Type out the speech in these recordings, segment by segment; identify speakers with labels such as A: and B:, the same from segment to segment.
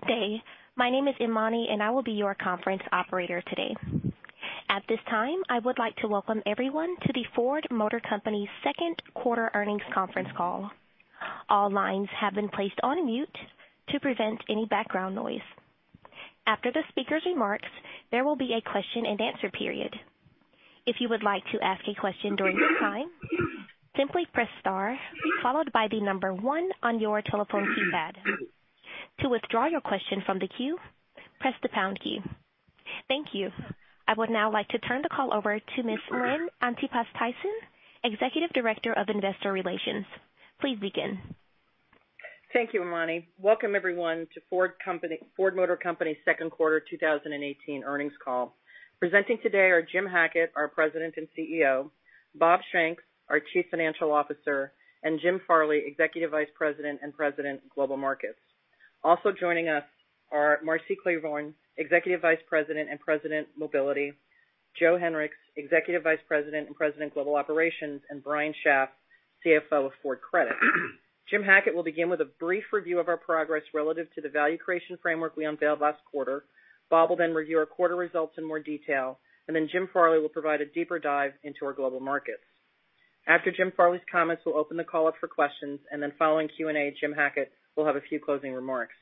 A: Good day. My name is Imani. I will be your conference operator today. At this time, I would like to welcome everyone to the Ford Motor Company's second quarter earnings conference call. All lines have been placed on mute to prevent any background noise. After the speaker's remarks, there will be a question and answer period. If you would like to ask a question during this time, simply press star followed by the number one on your telephone keypad. To withdraw your question from the queue, press the pound key. Thank you. I would now like to turn the call over to Ms. Lynn Antipas Tyson, Executive Director of Investor Relations. Please begin.
B: Thank you, Imani. Welcome, everyone, to Ford Motor Company's second quarter 2018 earnings call. Presenting today are Jim Hackett, our President and CEO; Robert Shanks, our Chief Financial Officer; and Jim Farley, Executive Vice President and President, Global Markets. Also joining us are Marcy Klevorn, Executive Vice President and President, Mobility; Joe Hinrichs, Executive Vice President and President, Global Operations; and Brian Schaaf, CFO of Ford Credit. Jim Hackett will begin with a brief review of our progress relative to the value creation framework we unveiled last quarter. Bob will review our quarter results in more detail. Jim Farley will provide a deeper dive into our global markets. After Jim Farley's comments, we'll open the call up for questions. Following Q&A, Jim Hackett will have a few closing remarks.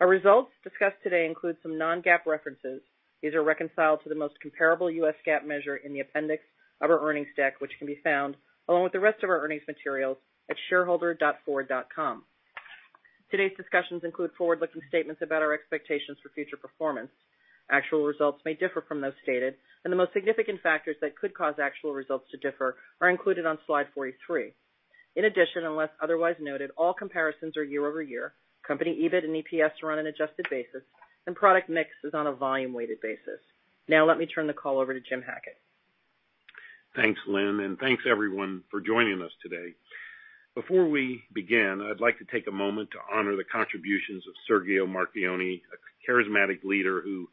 B: Our results discussed today include some non-GAAP references. These are reconciled to the most comparable U.S. GAAP measure in the appendix of our earnings deck, which can be found along with the rest of our earnings materials at shareholder.ford.com. Today's discussions include forward-looking statements about our expectations for future performance. Actual results may differ from those stated. The most significant factors that could cause actual results to differ are included on slide 43. In addition, unless otherwise noted, all comparisons are year-over-year. Company EBIT and EPS are on an adjusted basis. Product mix is on a volume-weighted basis. Now let me turn the call over to Jim Hackett.
C: Thanks, Lynn. Thanks, everyone, for joining us today. Before we begin, I'd like to take a moment to honor the contributions of Sergio Marchionne, a charismatic leader who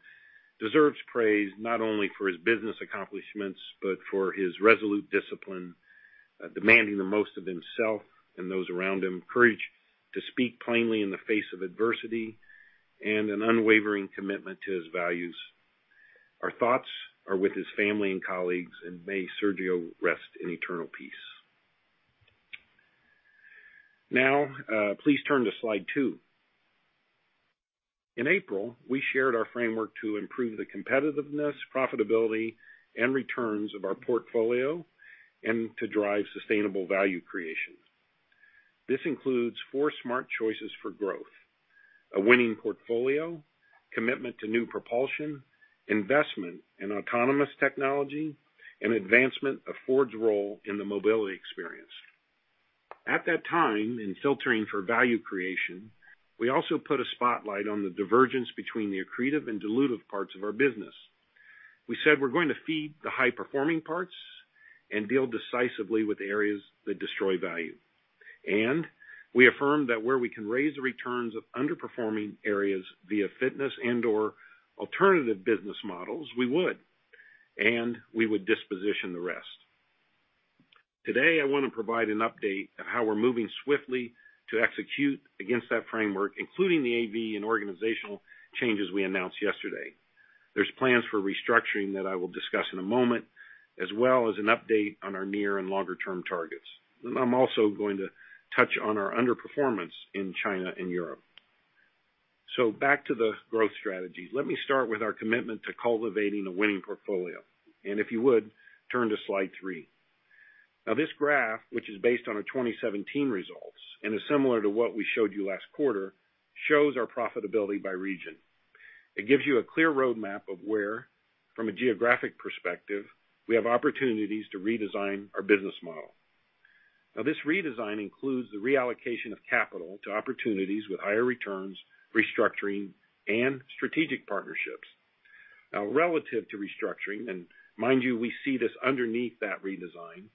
C: deserves praise not only for his business accomplishments but for his resolute discipline, demanding the most of himself and those around him, courage to speak plainly in the face of adversity, and an unwavering commitment to his values. Our thoughts are with his family and colleagues. May Sergio rest in eternal peace. Now, please turn to slide two. In April, we shared our framework to improve the competitiveness, profitability, and returns of our portfolio and to drive sustainable value creation. This includes four smart choices for growth: a winning portfolio, commitment to new propulsion, investment in autonomous technology, and advancement of Ford's role in the Mobility experience. At that time, in filtering for value creation, we also put a spotlight on the divergence between the accretive and dilutive parts of our business. We said we're going to feed the high-performing parts and deal decisively with areas that destroy value. We affirmed that where we can raise the returns of underperforming areas via fitness and/or alternative business models, we would, and we would disposition the rest. Today, I want to provide an update on how we're moving swiftly to execute against that framework, including the AV and organizational changes we announced yesterday. There's plans for restructuring that I will discuss in a moment, as well as an update on our near and longer-term targets. I'm also going to touch on our underperformance in China and Europe. Back to the growth strategy. Let me start with our commitment to cultivating a winning portfolio. If you would, turn to slide three. This graph, which is based on our 2017 results and is similar to what we showed you last quarter, shows our profitability by region. It gives you a clear roadmap of where, from a geographic perspective, we have opportunities to redesign our business model. This redesign includes the reallocation of capital to opportunities with higher returns, restructuring, and strategic partnerships. Relative to restructuring, and mind you, we see this underneath that redesign,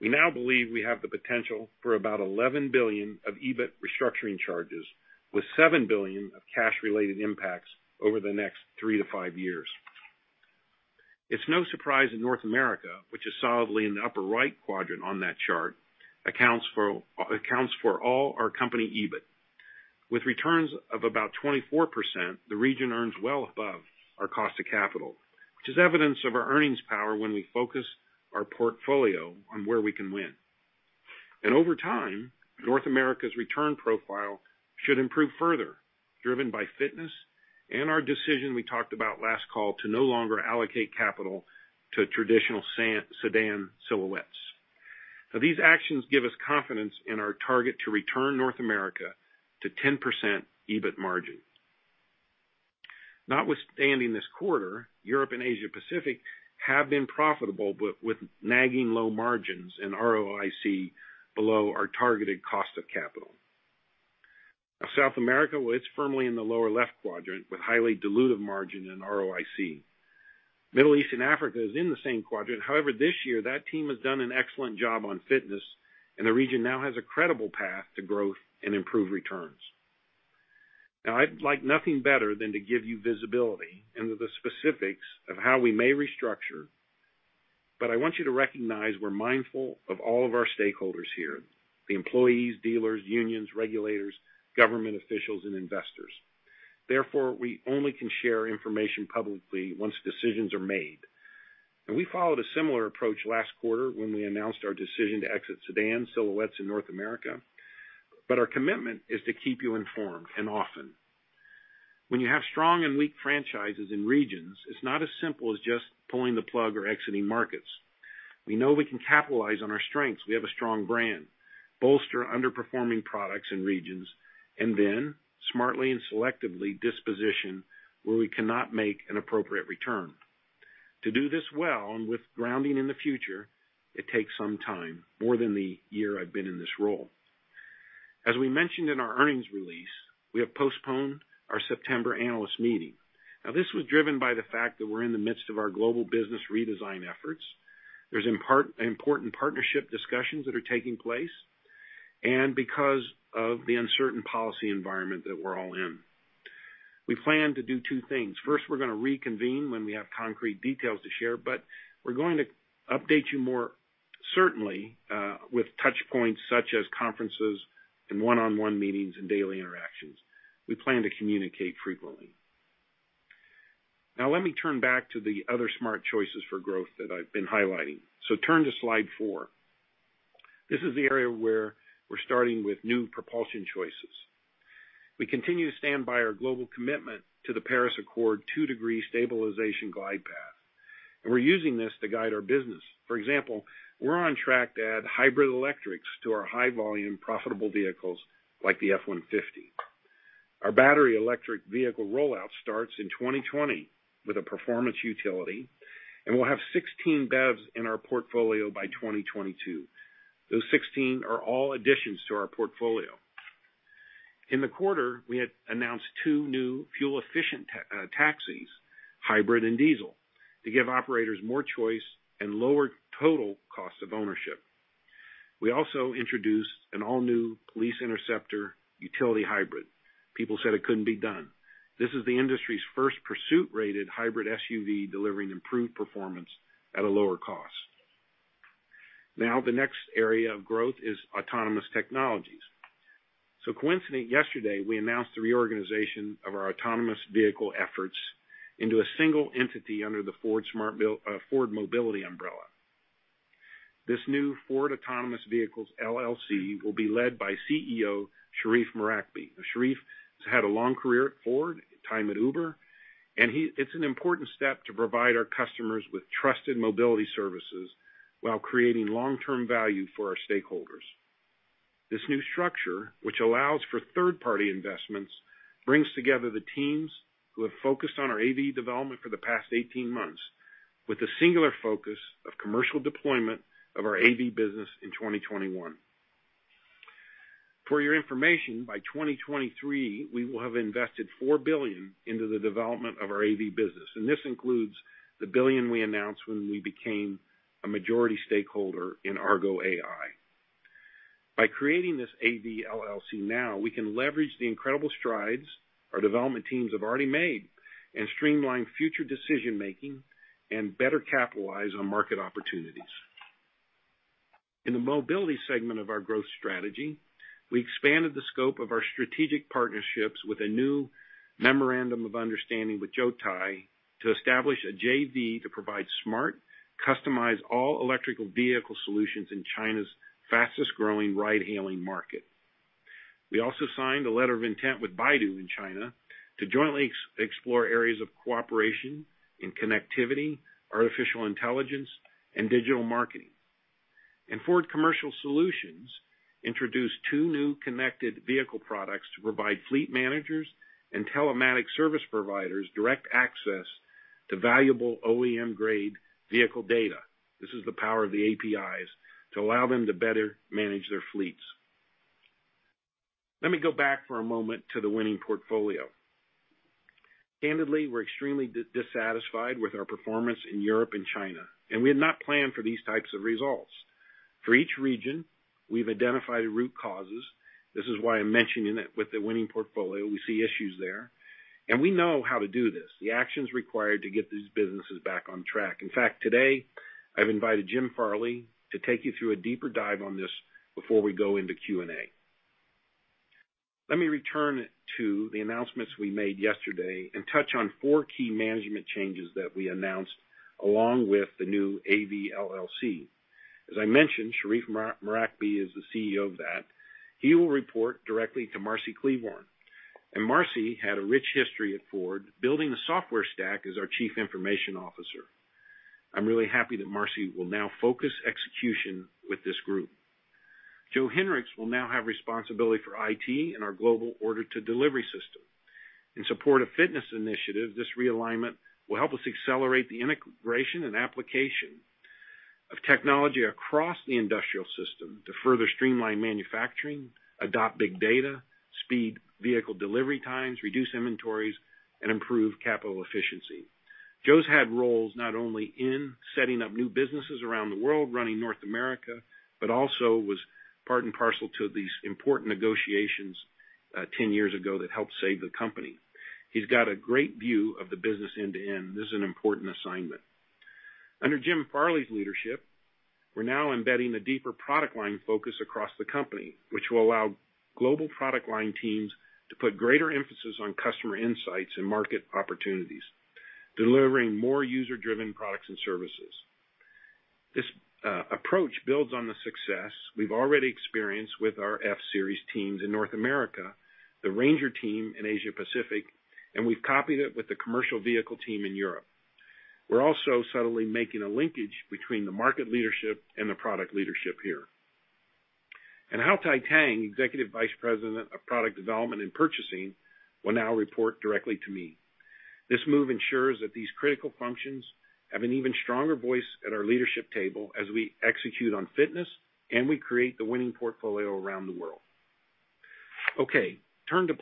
C: we now believe we have the potential for about $11 billion of EBIT restructuring charges with $7 billion of cash-related impacts over the next three to five years. It's no surprise in North America, which is solidly in the upper right quadrant on that chart, accounts for all our company EBIT. With returns of about 24%, the region earns well above our cost of capital, which is evidence of our earnings power when we focus our portfolio on where we can win. Over time, North America's return profile should improve further, driven by fitness and our decision we talked about last call to no longer allocate capital to traditional sedan silhouettes. These actions give us confidence in our target to return North America to 10% EBIT margin. Notwithstanding this quarter, Europe and Asia Pacific have been profitable, but with nagging low margins and ROIC below our targeted cost of capital. South America, well, it's firmly in the lower left quadrant with highly dilutive margin and ROIC. Middle East and Africa is in the same quadrant. However, this year, that team has done an excellent job on fitness, and the region now has a credible path to growth and improved returns. I'd like nothing better than to give you visibility into the specifics of how we may restructure. But I want you to recognize we're mindful of all of our stakeholders here, the employees, dealers, unions, regulators, government officials, and investors. Therefore, we only can share information publicly once decisions are made. We followed a similar approach last quarter when we announced our decision to exit sedan silhouettes in North America. Our commitment is to keep you informed, and often. When you have strong and weak franchises in regions, it's not as simple as just pulling the plug or exiting markets. We know we can capitalize on our strengths. We have a strong brand, bolster underperforming products and regions, smartly and selectively disposition where we cannot make an appropriate return. To do this well and with grounding in the future, it takes some time, more than the year I've been in this role. As we mentioned in our earnings release, we have postponed our September analyst meeting. This was driven by the fact that we're in the midst of our global business redesign efforts. There's important partnership discussions that are taking place, because of the uncertain policy environment that we're all in. We plan to do two things. First, we're going to reconvene when we have concrete details to share, but we're going to update you more certainly, with touch points such as conferences and one-on-one meetings and daily interactions. We plan to communicate frequently. Let me turn back to the other smart choices for growth that I've been highlighting. Turn to slide four. This is the area where we're starting with new propulsion choices. We continue to stand by our global commitment to the Paris Agreement two-degree stabilization glide path, and we're using this to guide our business. For example, we're on track to add hybrid electrics to our high volume, profitable vehicles like the F-150. Our battery electric vehicle rollout starts in 2020 with a performance utility, and we'll have 16 BEVs in our portfolio by 2022. Those 16 are all additions to our portfolio. In the quarter, we had announced two new fuel-efficient taxis, hybrid and diesel, to give operators more choice and lower total cost of ownership. We also introduced an all-new police interceptor utility hybrid. People said it couldn't be done. This is the industry's first pursuit-rated hybrid SUV, delivering improved performance at a lower cost. The next area of growth is autonomous technologies. Coincident yesterday, we announced the reorganization of our autonomous vehicle efforts into a single entity under the Ford Mobility umbrella. This new Ford Autonomous Vehicles LLC will be led by CEO Sherif Marakby. Sherif has had a long career at Ford, time at Uber, it's an important step to provide our customers with trusted mobility services while creating long-term value for our stakeholders. This new structure, which allows for third-party investments, brings together the teams who have focused on our AV development for the past 18 months with the singular focus of commercial deployment of our AV business in 2021. For your information, by 2023, we will have invested $4 billion into the development of our AV business. This includes the billion we announced when we became a majority stakeholder in Argo AI. By creating this AV LLC now, we can leverage the incredible strides our development teams have already made and streamline future decision-making and better capitalize on market opportunities. In the mobility segment of our growth strategy, we expanded the scope of our strategic partnerships with a new memorandum of understanding with Zotye to establish a JV to provide smart, customized, all-electrical vehicle solutions in China's fastest-growing ride-hailing market. We also signed a letter of intent with Baidu in China to jointly explore areas of cooperation in connectivity, artificial intelligence, and digital marketing. Ford Commercial Solutions introduced two new connected vehicle products to provide fleet managers and telematic service providers direct access to valuable OEM-grade vehicle data, this is the power of the APIs, to allow them to better manage their fleets. Let me go back for a moment to the winning portfolio. Candidly, we're extremely dissatisfied with our performance in Europe and China, we had not planned for these types of results. For each region, we've identified root causes. This is why I'm mentioning it with the winning portfolio. We see issues there. We know how to do this, the actions required to get these businesses back on track. In fact, today, I've invited Jim Farley to take you through a deeper dive on this before we go into Q&A. Let me return to the announcements we made yesterday and touch on four key management changes that we announced along with the new AV LLC. As I mentioned, Sherif Marakby is the CEO of that. He will report directly to Marcy Klevorn. Marcy had a rich history at Ford, building the software stack as our chief information officer. I'm really happy that Marcy will now focus execution with this group. Joe Hinrichs will now have responsibility for IT and our global order to delivery system. In support of fitness initiatives, this realignment will help us accelerate the integration and application of technology across the industrial system to further streamline manufacturing, adopt big data, speed vehicle delivery times, reduce inventories, and improve capital efficiency. Joe's had roles not only in setting up new businesses around the world, running North America, but also was part and parcel to these important negotiations 10 years ago that helped save the company. He's got a great view of the business end-to-end. This is an important assignment. Under Jim Farley's leadership, we're now embedding a deeper product line focus across the company, which will allow global product line teams to put greater emphasis on customer insights and market opportunities, delivering more user-driven products and services. This approach builds on the success we've already experienced with our F-Series teams in North America, the Ranger team in Asia Pacific, we've copied it with the commercial vehicle team in Europe. We're also subtly making a linkage between the market leadership and the product leadership here. Hau Thai-Tang, Executive Vice President of Product Development and Purchasing, will now report directly to me. This move ensures that these critical functions have an even stronger voice at our leadership table as we execute on fitness and we create the winning portfolio around the world. Okay, turn to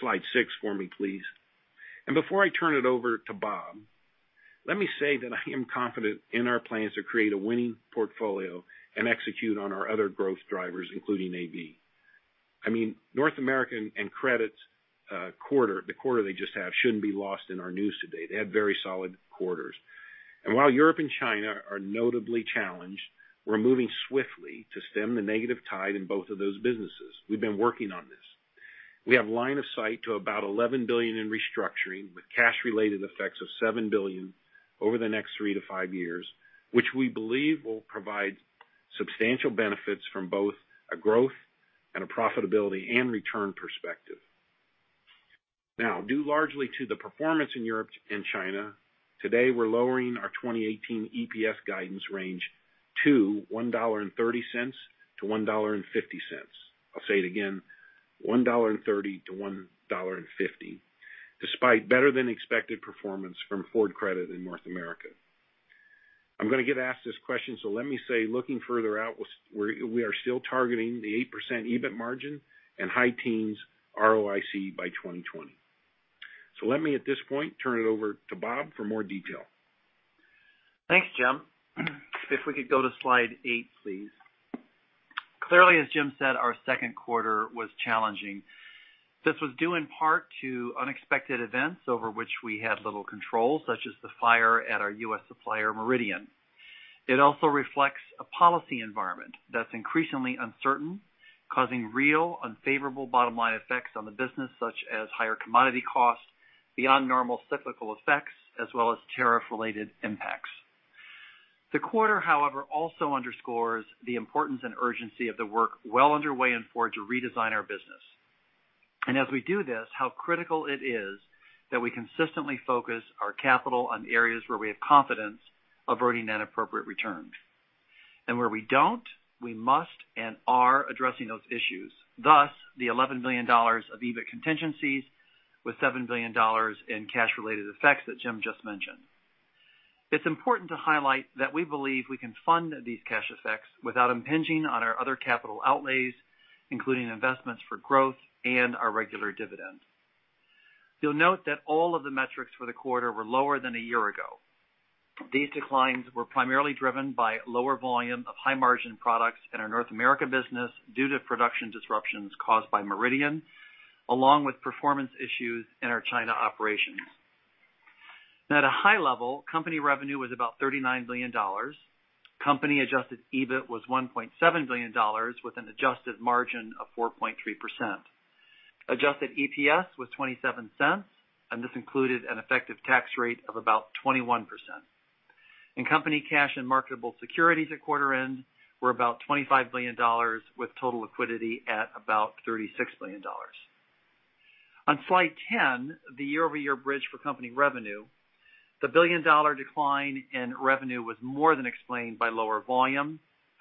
C: slide six for me, please. Before I turn it over to Bob, let me say that I am confident in our plans to create a winning portfolio and execute on our other growth drivers, including AV. North American and Credit's quarter, the quarter they just had, shouldn't be lost in our news today. They had very solid quarters. While Europe and China are notably challenged, we're moving swiftly to stem the negative tide in both of those businesses. We've been working on this. We have line of sight to about $11 billion in restructuring, with cash-related effects of $7 billion over the next three to five years, which we believe will provide substantial benefits from both a growth and a profitability and return perspective. Due largely to the performance in Europe and China, today, we're lowering our 2018 EPS guidance range to $1.30-$1.50. I'll say it again, $1.30-$1.50, despite better than expected performance from Ford Credit in North America. I'm going to get asked this question, so let me say, looking further out, we are still targeting the 8% EBIT margin and high teens ROIC by 2020. Let me at this point, turn it over to Bob for more detail.
D: Thanks, Jim. If we could go to slide eight, please. Clearly, as Jim said, our second quarter was challenging. This was due in part to unexpected events over which we had little control, such as the fire at our U.S. supplier, Meridian. It also reflects a policy environment that's increasingly uncertain, causing real unfavorable bottom-line effects on the business, such as higher commodity costs, beyond normal cyclical effects, as well as tariff-related impacts. The quarter, however, also underscores the importance and urgency of the work well underway in Ford to redesign our business. As we do this, how critical it is that we consistently focus our capital on areas where we have confidence of earning an appropriate return. Where we don't, we must and are addressing those issues, thus, the $11 billion of EBIT contingencies with $7 billion in cash-related effects that Jim just mentioned. It's important to highlight that we believe we can fund these cash effects without impinging on our other capital outlays, including investments for growth and our regular dividend. You'll note that all of the metrics for the quarter were lower than a year ago. These declines were primarily driven by lower volume of high-margin products in our North America business due to production disruptions caused by Meridian, along with performance issues in our China operations. At a high level, company revenue was about $39 billion. Company adjusted EBIT was $1.7 billion with an adjusted margin of 4.3%. Adjusted EPS was $0.27, and this included an effective tax rate of about 21%. Company cash and marketable securities at quarter-end were about $25 billion with total liquidity at about $36 billion. On slide 10, the year-over-year bridge for company revenue, the billion-dollar decline in revenue was more than explained by lower volume,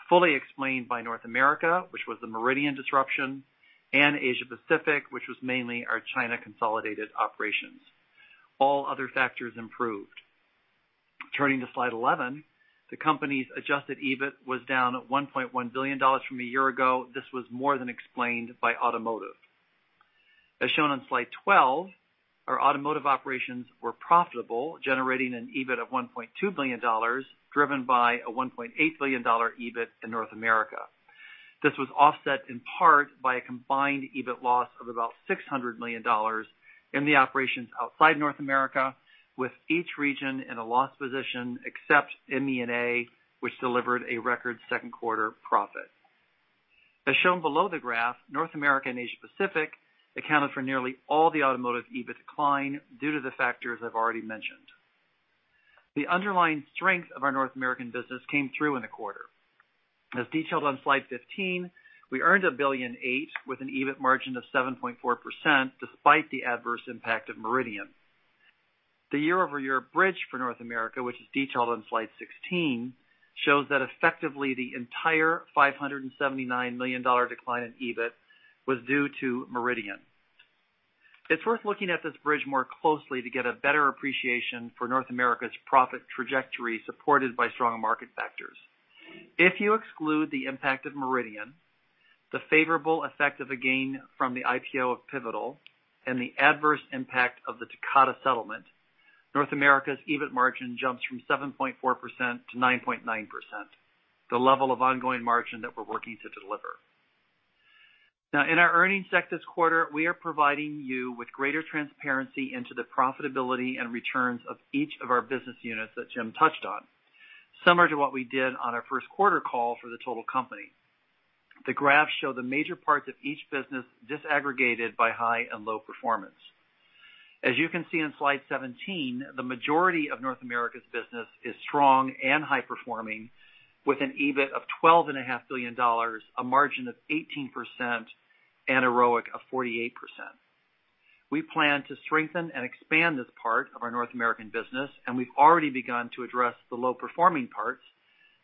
D: fully explained by North America, which was the Meridian disruption, and Asia Pacific, which was mainly our China consolidated operations. All other factors improved. Turning to slide 11, the company's adjusted EBIT was down $1.1 billion from a year ago. This was more than explained by automotive. As shown on slide 12, our automotive operations were profitable, generating an EBIT of $1.2 billion, driven by a $1.8 billion EBIT in North America. This was offset in part by a combined EBIT loss of about $600 million in the operations outside North America, with each region in a loss position except MENA, which delivered a record second quarter profit. As shown below the graph, North America and Asia Pacific accounted for nearly all the automotive EBIT decline due to the factors I've already mentioned. The underlying strength of our North American business came through in the quarter. As detailed on slide 15, we earned $1.8 billion with an EBIT margin of 7.4%, despite the adverse impact of Meridian. The year-over-year bridge for North America, which is detailed on slide 16, shows that effectively the entire $579 million decline in EBIT was due to Meridian. It's worth looking at this bridge more closely to get a better appreciation for North America's profit trajectory, supported by strong market factors. If you exclude the impact of Meridian, the favorable effect of a gain from the IPO of Pivotal, and the adverse impact of the Takata settlement North America's EBIT margin jumps from 7.4% to 9.9%, the level of ongoing margin that we're working to deliver. In our earnings deck this quarter, we are providing you with greater transparency into the profitability and returns of each of our business units that Jim touched on, similar to what we did on our first quarter call for the total company. The graphs show the major parts of each business disaggregated by high and low performance. As you can see on slide 17, the majority of North America's business is strong and high-performing, with an EBIT of $12.5 billion, a margin of 18%, and a ROIC of 48%. We plan to strengthen and expand this part of our North American business, and we've already begun to address the low-performing parts,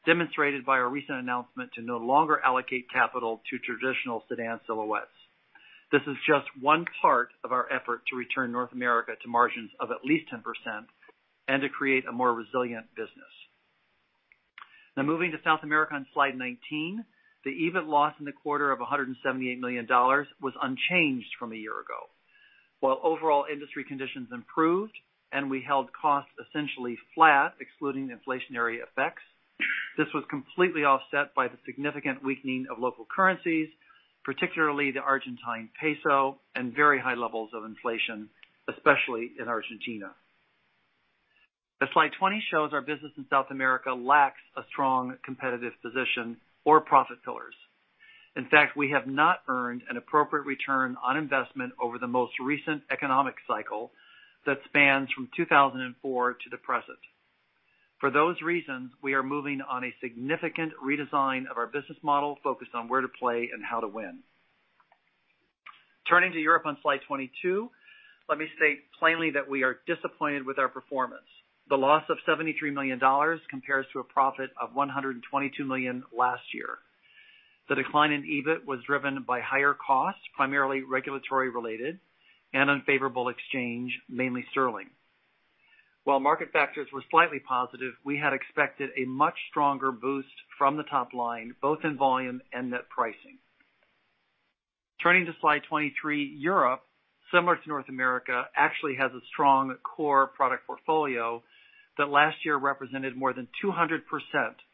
D: demonstrated by our recent announcement to no longer allocate capital to traditional sedan silhouettes. This is just one part of our effort to return North America to margins of at least 10% and to create a more resilient business. Moving to South America on slide 19, the EBIT loss in the quarter of $178 million was unchanged from a year ago. While overall industry conditions improved and we held costs essentially flat, excluding inflationary effects, this was completely offset by the significant weakening of local currencies, particularly the Argentine peso, and very high levels of inflation, especially in Argentina. As slide 20 shows, our business in South America lacks a strong competitive position or profit pillars. In fact, we have not earned an appropriate return on investment over the most recent economic cycle that spans from 2004 to the present. For those reasons, we are moving on a significant redesign of our business model, focused on where to play and how to win. Turning to Europe on slide 22, let me state plainly that we are disappointed with our performance. The loss of $73 million compares to a profit of $122 million last year. The decline in EBIT was driven by higher costs, primarily regulatory-related, and unfavorable exchange, mainly sterling. While market factors were slightly positive, we had expected a much stronger boost from the top line, both in volume and net pricing. Turning to slide 23, Europe, similar to North America, actually has a strong core product portfolio that last year represented more than 200%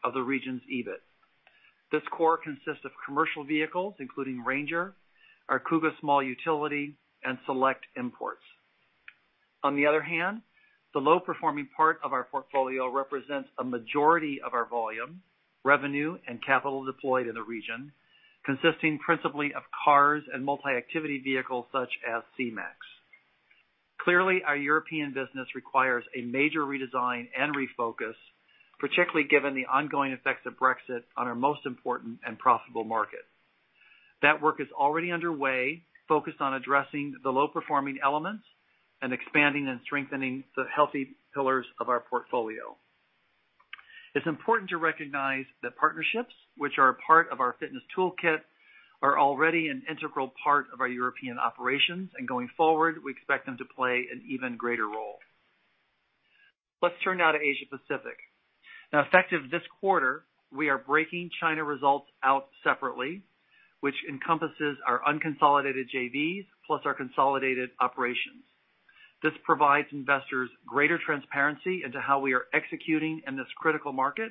D: of the region's EBIT. This core consists of commercial vehicles, including Ranger, our Kuga small utility, and select imports. On the other hand, the low-performing part of our portfolio represents a majority of our volume, revenue, and capital deployed in the region, consisting principally of cars and multi-activity vehicles such as C-Max. Clearly, our European business requires a major redesign and refocus, particularly given the ongoing effects of Brexit on our most important and profitable market. That work is already underway, focused on addressing the low-performing elements and expanding and strengthening the healthy pillars of our portfolio. It's important to recognize that partnerships, which are a part of our fitness toolkit, are already an integral part of our European operations, and going forward, we expect them to play an even greater role. Let's turn now to Asia Pacific. Effective this quarter, we are breaking China results out separately, which encompasses our unconsolidated JVs plus our consolidated operations. This provides investors greater transparency into how we are executing in this critical market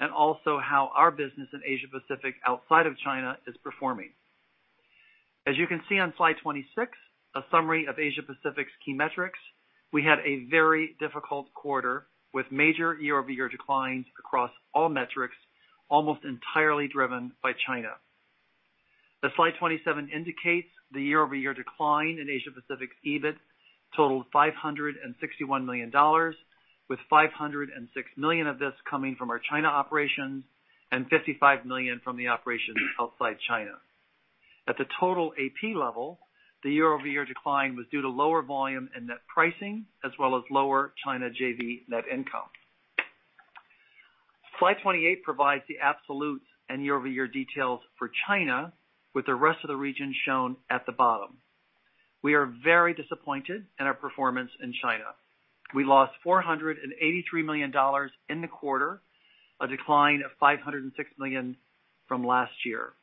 D: and also how our business in Asia Pacific outside of China is performing. As you can see on slide 26, a summary of Asia Pacific's key metrics, we had a very difficult quarter, with major year-over-year declines across all metrics, almost entirely driven by China. Slide 27 indicates the year-over-year decline in Asia Pacific's EBIT totaled $561 million, with $506 million of this coming from our China operations and $55 million from the operations outside China. At the total AP level, the year-over-year decline was due to lower volume and net pricing, as well as lower China JV net income. Slide 28 provides the absolutes and year-over-year details for China, with the rest of the region shown at the bottom. We are very disappointed in our performance in China. We lost $483 million in the quarter, a decline of $506 million from last year.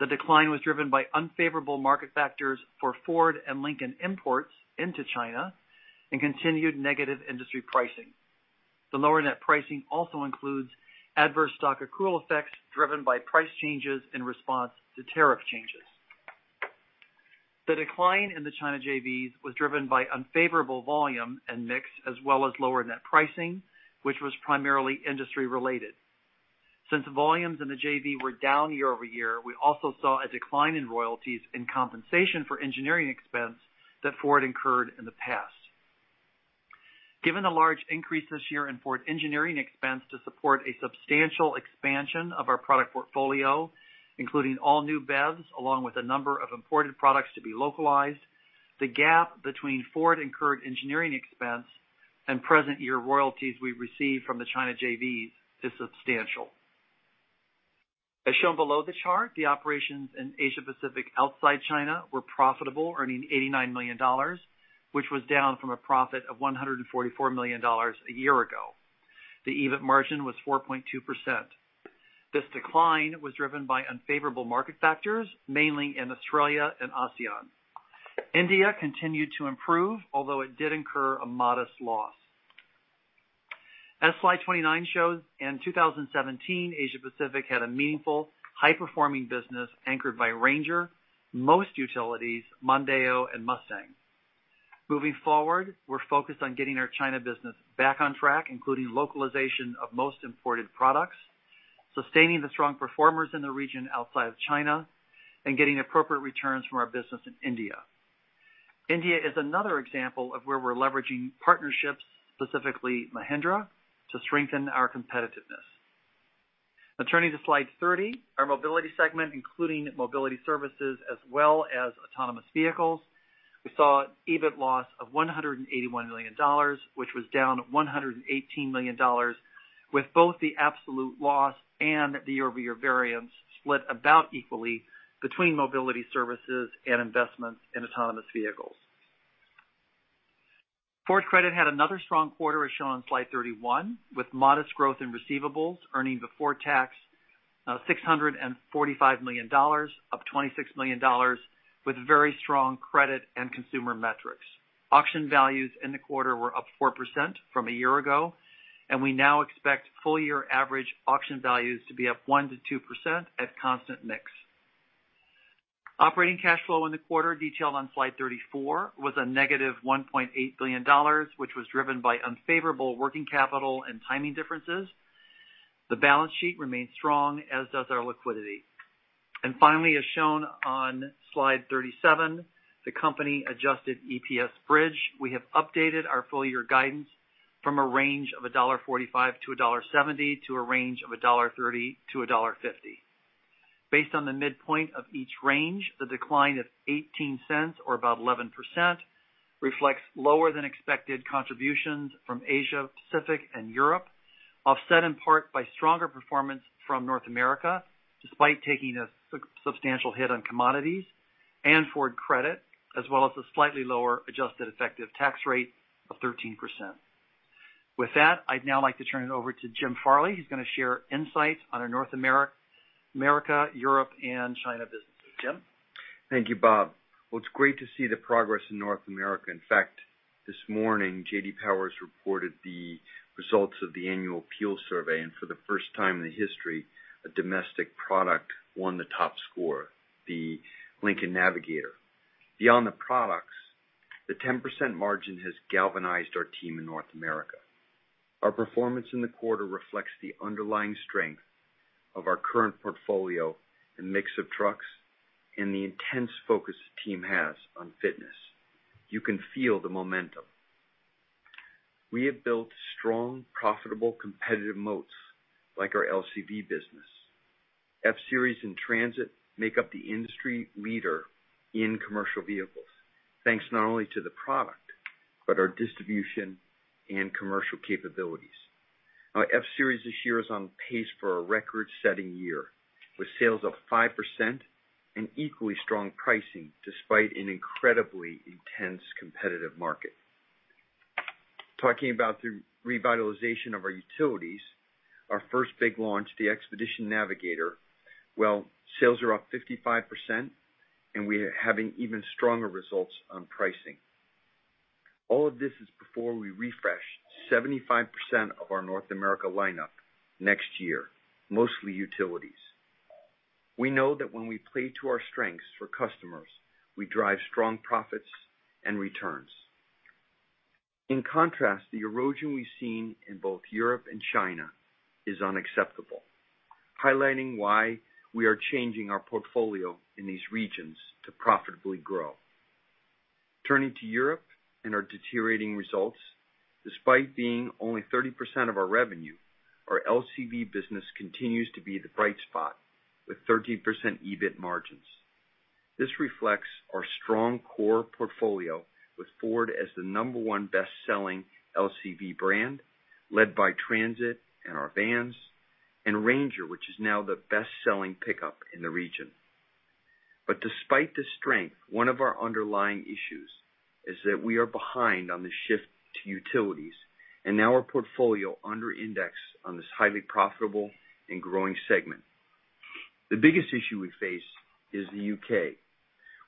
D: The decline was driven by unfavorable market factors for Ford and Lincoln imports into China and continued negative industry pricing. The lower net pricing also includes adverse stock accrual effects driven by price changes in response to tariff changes. The decline in the China JVs was driven by unfavorable volume and mix, as well as lower net pricing, which was primarily industry-related. Since volumes in the JV were down year-over-year, we also saw a decline in royalties and compensation for engineering expense that Ford incurred in the past. Given the large increase this year in Ford engineering expense to support a substantial expansion of our product portfolio, including all new BEVs, along with a number of imported products to be localized, the gap between Ford-incurred engineering expense and present year royalties we receive from the China JVs is substantial. As shown below the chart, the operations in Asia Pacific outside China were profitable, earning $89 million, which was down from a profit of $144 million a year ago. The EBIT margin was 4.2%. This decline was driven by unfavorable market factors, mainly in Australia and ASEAN. India continued to improve, although it did incur a modest loss. As slide 29 shows, in 2017, Asia Pacific had a meaningful high-performing business anchored by Ranger, most utilities, Mondeo, and Mustang. Moving forward, we're focused on getting our China business back on track, including localization of most imported products, sustaining the strong performers in the region outside of China, and getting appropriate returns from our business in India. India is another example of where we're leveraging partnerships, specifically Mahindra, to strengthen our competitiveness. Turning to slide 30, our mobility segment, including mobility services as well as autonomous vehicles, we saw an EBIT loss of $181 million, which was down $118 million, with both the absolute loss and the year-over-year variance split about equally between mobility services and investments in autonomous vehicles. Ford Credit had another strong quarter, as shown on slide 31, with modest growth in receivables, earning before tax $645 million, up $26 million with very strong credit and consumer metrics. Auction values in the quarter were up 4% from a year ago, we now expect full-year average auction values to be up 1%-2% at constant mix. Operating cash flow in the quarter, detailed on slide 34, was a negative $1.8 billion, which was driven by unfavorable working capital and timing differences. The balance sheet remains strong, as does our liquidity. Finally, as shown on slide 37, the company adjusted EPS bridge. We have updated our full-year guidance from a range of $1.45-$1.70 to a range of $1.30-$1.50. Based on the midpoint of each range, the decline of $0.18 or about 11%, reflects lower than expected contributions from Asia, Pacific, and Europe, offset in part by stronger performance from North America, despite taking a substantial hit on commodities and Ford Credit, as well as a slightly lower adjusted effective tax rate of 13%. With that, I'd now like to turn it over to Jim Farley, who's gonna share insights on our North America, Europe, and China businesses. Jim?
E: Thank you, Bob. Well, it's great to see the progress in North America. In fact, this morning, J.D. Power reported the results of the annual APEAL survey, for the first time in history, a domestic product won the top score, the Lincoln Navigator. Beyond the products, the 10% margin has galvanized our team in North America. Our performance in the quarter reflects the underlying strength of our current portfolio and mix of trucks and the intense focus the team has on fitness. You can feel the momentum. We have built strong, profitable, competitive moats like our LCV business. F-Series and Transit make up the industry leader in commercial vehicles, thanks not only to the product, but our distribution and commercial capabilities. F-Series this year is on pace for a record-setting year, with sales up 5% and equally strong pricing despite an incredibly intense competitive market. Talking about the revitalization of our utilities, our first big launch, the Expedition and Navigator. Sales are up 55%, and we're having even stronger results on pricing. All of this is before we refresh 75% of our North America lineup next year, mostly utilities. We know that when we play to our strengths for customers, we drive strong profits and returns. In contrast, the erosion we've seen in both Europe and China is unacceptable, highlighting why we are changing our portfolio in these regions to profitably grow. Turning to Europe and our deteriorating results, despite being only 30% of our revenue, our LCV business continues to be the bright spot with 13% EBIT margins. This reflects our strong core portfolio with Ford as the number one best-selling LCV brand, led by Transit and our vans, and Ranger, which is now the best-selling pickup in the region. Despite the strength, one of our underlying issues is that we are behind on the shift to utilities, and now our portfolio underindex on this highly profitable and growing segment. The biggest issue we face is the U.K.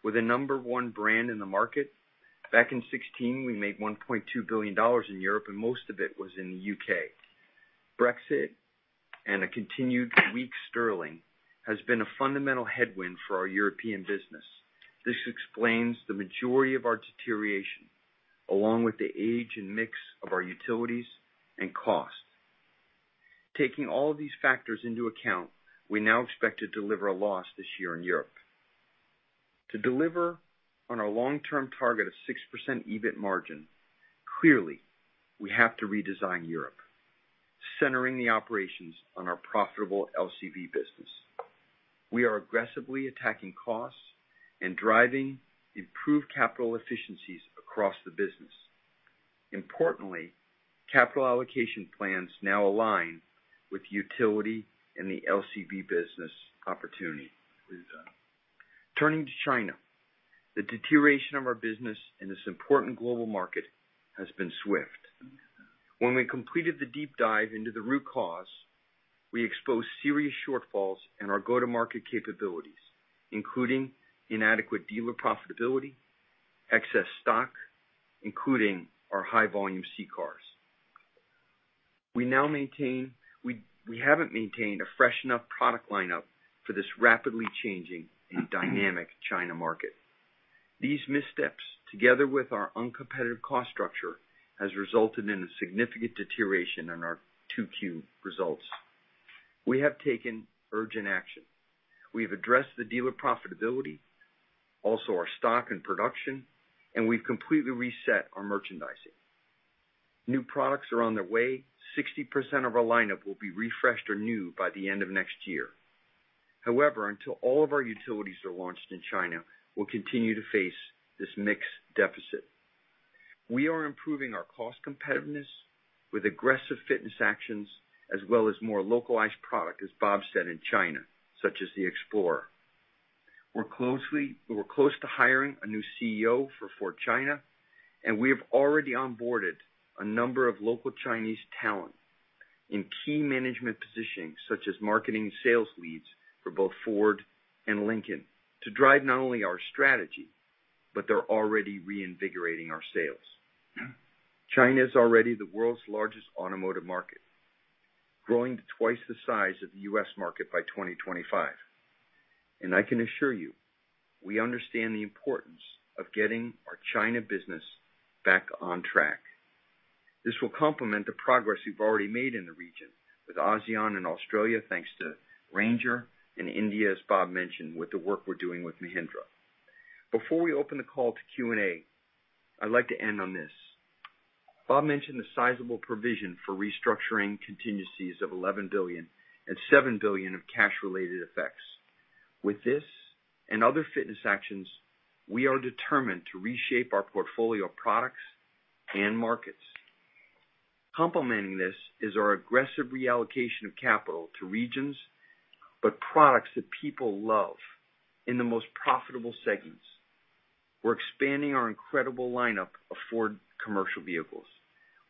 E: We're the number one brand in the market. Back in 2016, we made $1.2 billion in Europe, and most of it was in the U.K. Brexit and a continued weak sterling has been a fundamental headwind for our European business. This explains the majority of our deterioration, along with the age and mix of our utilities and cost. Taking all of these factors into account, we now expect to deliver a loss this year in Europe. To deliver on our long-term target of 6% EBIT margin, clearly, we have to redesign Europe, centering the operations on our profitable LCV business. We are aggressively attacking costs and driving improved capital efficiencies across the business. Importantly, capital allocation plans now align with utility and the LCV business opportunity. Turning to China, the deterioration of our business in this important global market has been swift. When we completed the deep dive into the root cause, we exposed serious shortfalls in our go-to-market capabilities, including inadequate dealer profitability, excess stock, including our high-volume C cars. We haven't maintained a fresh enough product lineup for this rapidly changing and dynamic China market. These missteps, together with our uncompetitive cost structure, has resulted in a significant deterioration in our 2Q results. We have taken urgent action. We've addressed the dealer profitability, also our stock and production, and we've completely reset our merchandising. New products are on their way. 60% of our lineup will be refreshed or new by the end of next year. Until all of our utilities are launched in China, we'll continue to face this mix deficit. We are improving our cost competitiveness with aggressive fitness actions as well as more localized product, as Bob said, in China, such as the Explorer. We're close to hiring a new CEO for Ford China, and we have already onboarded a number of local Chinese talent in key management positions such as marketing sales leads for both Ford and Lincoln to drive not only our strategy, but they're already reinvigorating our sales. China is already the world's largest automotive market, growing to twice the size of the U.S. market by 2025. I can assure you, we understand the importance of getting our China business back on track. This will complement the progress we've already made in the region with ASEAN and Australia, thanks to Ranger, and India, as Bob mentioned, with the work we're doing with Mahindra. Before we open the call to Q&A, I'd like to end on this. Bob mentioned the sizable provision for restructuring contingencies of $11 billion and $7 billion of cash-related effects. With this and other fitness actions, we are determined to reshape our portfolio of products and markets. Complementing this is our aggressive reallocation of capital to regions, but products that people love in the most profitable segments. We're expanding our incredible lineup of Ford commercial vehicles.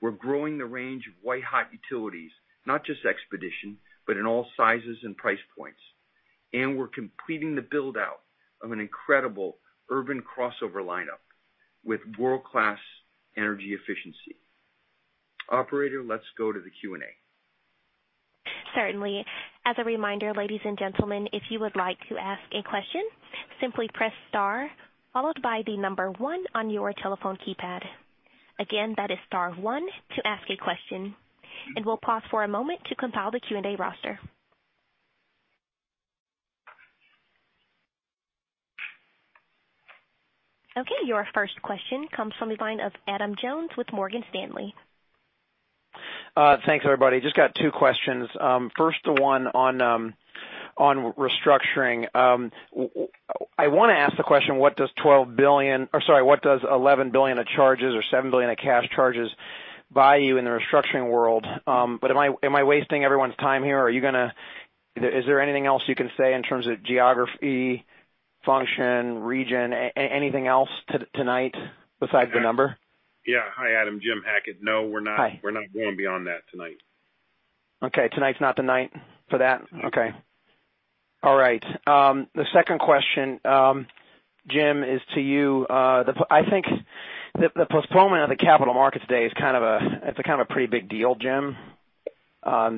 E: We're growing the range of white-hot utilities, not just Expedition, but in all sizes and price points. We're completing the build-out of an incredible urban crossover lineup with world-class energy efficiency. Operator, let's go to the Q&A.
A: Certainly. As a reminder, ladies and gentlemen, if you would like to ask a question, simply press star followed by the number 1 on your telephone keypad. Again, that is star 1 to ask a question. We'll pause for a moment to compile the Q&A roster. Okay, your first question comes from the line of Adam Jonas with Morgan Stanley.
F: Thanks, everybody. Just got two questions. First, the one on restructuring. I want to ask the question, what does $11 billion of charges or $7 billion of cash charges buy you in the restructuring world? Am I wasting everyone's time here? Is there anything else you can say in terms of geography, function, region, anything else tonight besides the number?
C: Yeah. Hi, Adam. Jim Hackett. No.
F: Hi
C: We're not going beyond that tonight.
F: Okay. Tonight's not the night for that? Okay. All right. The second question, Jim, is to you. I think the postponement of the Capital Markets Day, it's a kind of a pretty big deal, Jim.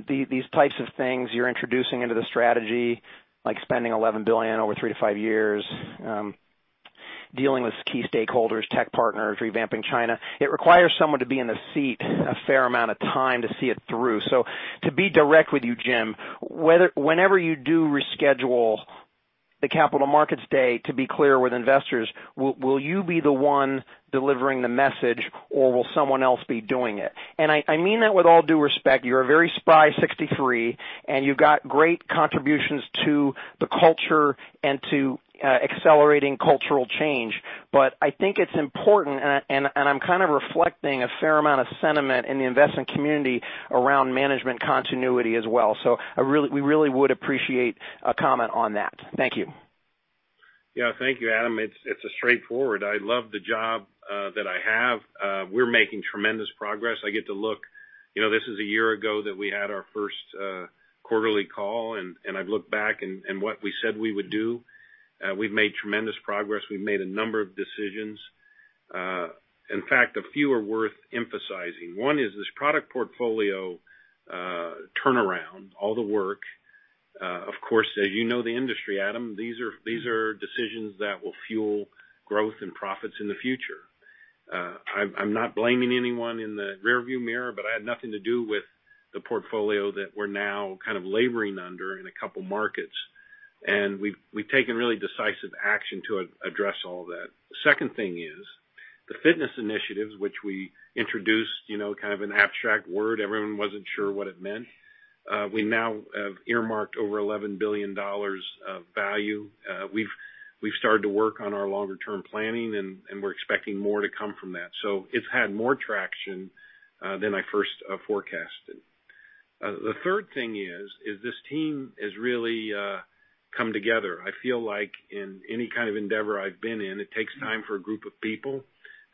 F: These types of things you're introducing into the strategy, like spending $11 billion over three to five years, dealing with key stakeholders, tech partners, revamping China. It requires someone to be in the seat a fair amount of time to see it through. To be direct with you, Jim, whenever you do reschedule the Capital Markets Day to be clear with investors, will you be the one delivering the message or will someone else be doing it? I mean that with all due respect. You're a very spry 63, and you've got great contributions to the culture and to accelerating cultural change. I think it's important, and I'm kind of reflecting a fair amount of sentiment in the investment community around management continuity as well. We really would appreciate a comment on that. Thank you.
C: Yeah. Thank you, Adam. It's straightforward. I love the job that I have. We're making tremendous progress. This is a year ago that we had our first quarterly call, and I've looked back and what we said we would do. We've made tremendous progress. We've made a number of decisions. In fact, a few are worth emphasizing. One is this product portfolio turnaround, all the work. Of course, as you know the industry, Adam, these are decisions that will fuel growth and profits in the future. I'm not blaming anyone in the rear view mirror, but I had nothing to do with the portfolio that we're now kind of laboring under in a couple markets. We've taken really decisive action to address all that. The second thing is the fitness initiatives which we introduced, kind of an abstract word. Everyone wasn't sure what it meant. We now have earmarked over $11 billion of value. We've started to work on our longer-term planning, we're expecting more to come from that. It's had more traction than I first forecasted. The third thing is, this team has really come together. I feel like in any kind of endeavor I've been in, it takes time for a group of people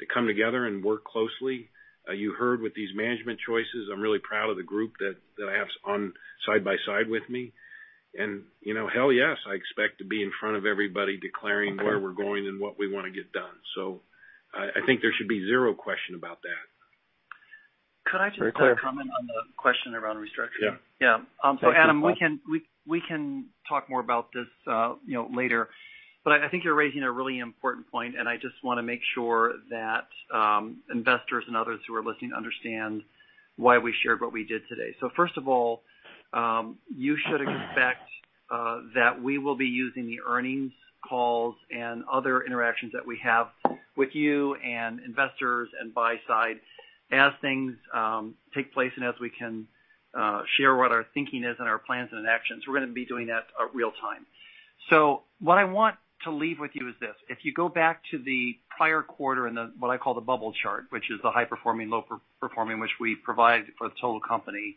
C: to come together and work closely. You heard with these management choices, I'm really proud of the group that I have side by side with me. Hell yes, I expect to be in front of everybody declaring where we're going and what we want to get done. I think there should be zero question about that.
D: Could I just
F: Very clear
D: comment on the question around restructuring?
C: Yeah.
D: Yeah. Adam, we can talk more about this later. I think you're raising a really important point, and I just want to make sure that investors and others who are listening understand why we shared what we did today. First of all, you should expect that we will be using the earnings calls and other interactions that we have with you and investors and buy side as things take place and as we can share what our thinking is and our plans and actions. We're going to be doing that real time. What I want to leave with you is this. If you go back to the prior quarter in the, what I call the bubble chart, which is the high-performing, low-performing, which we provide for the total company,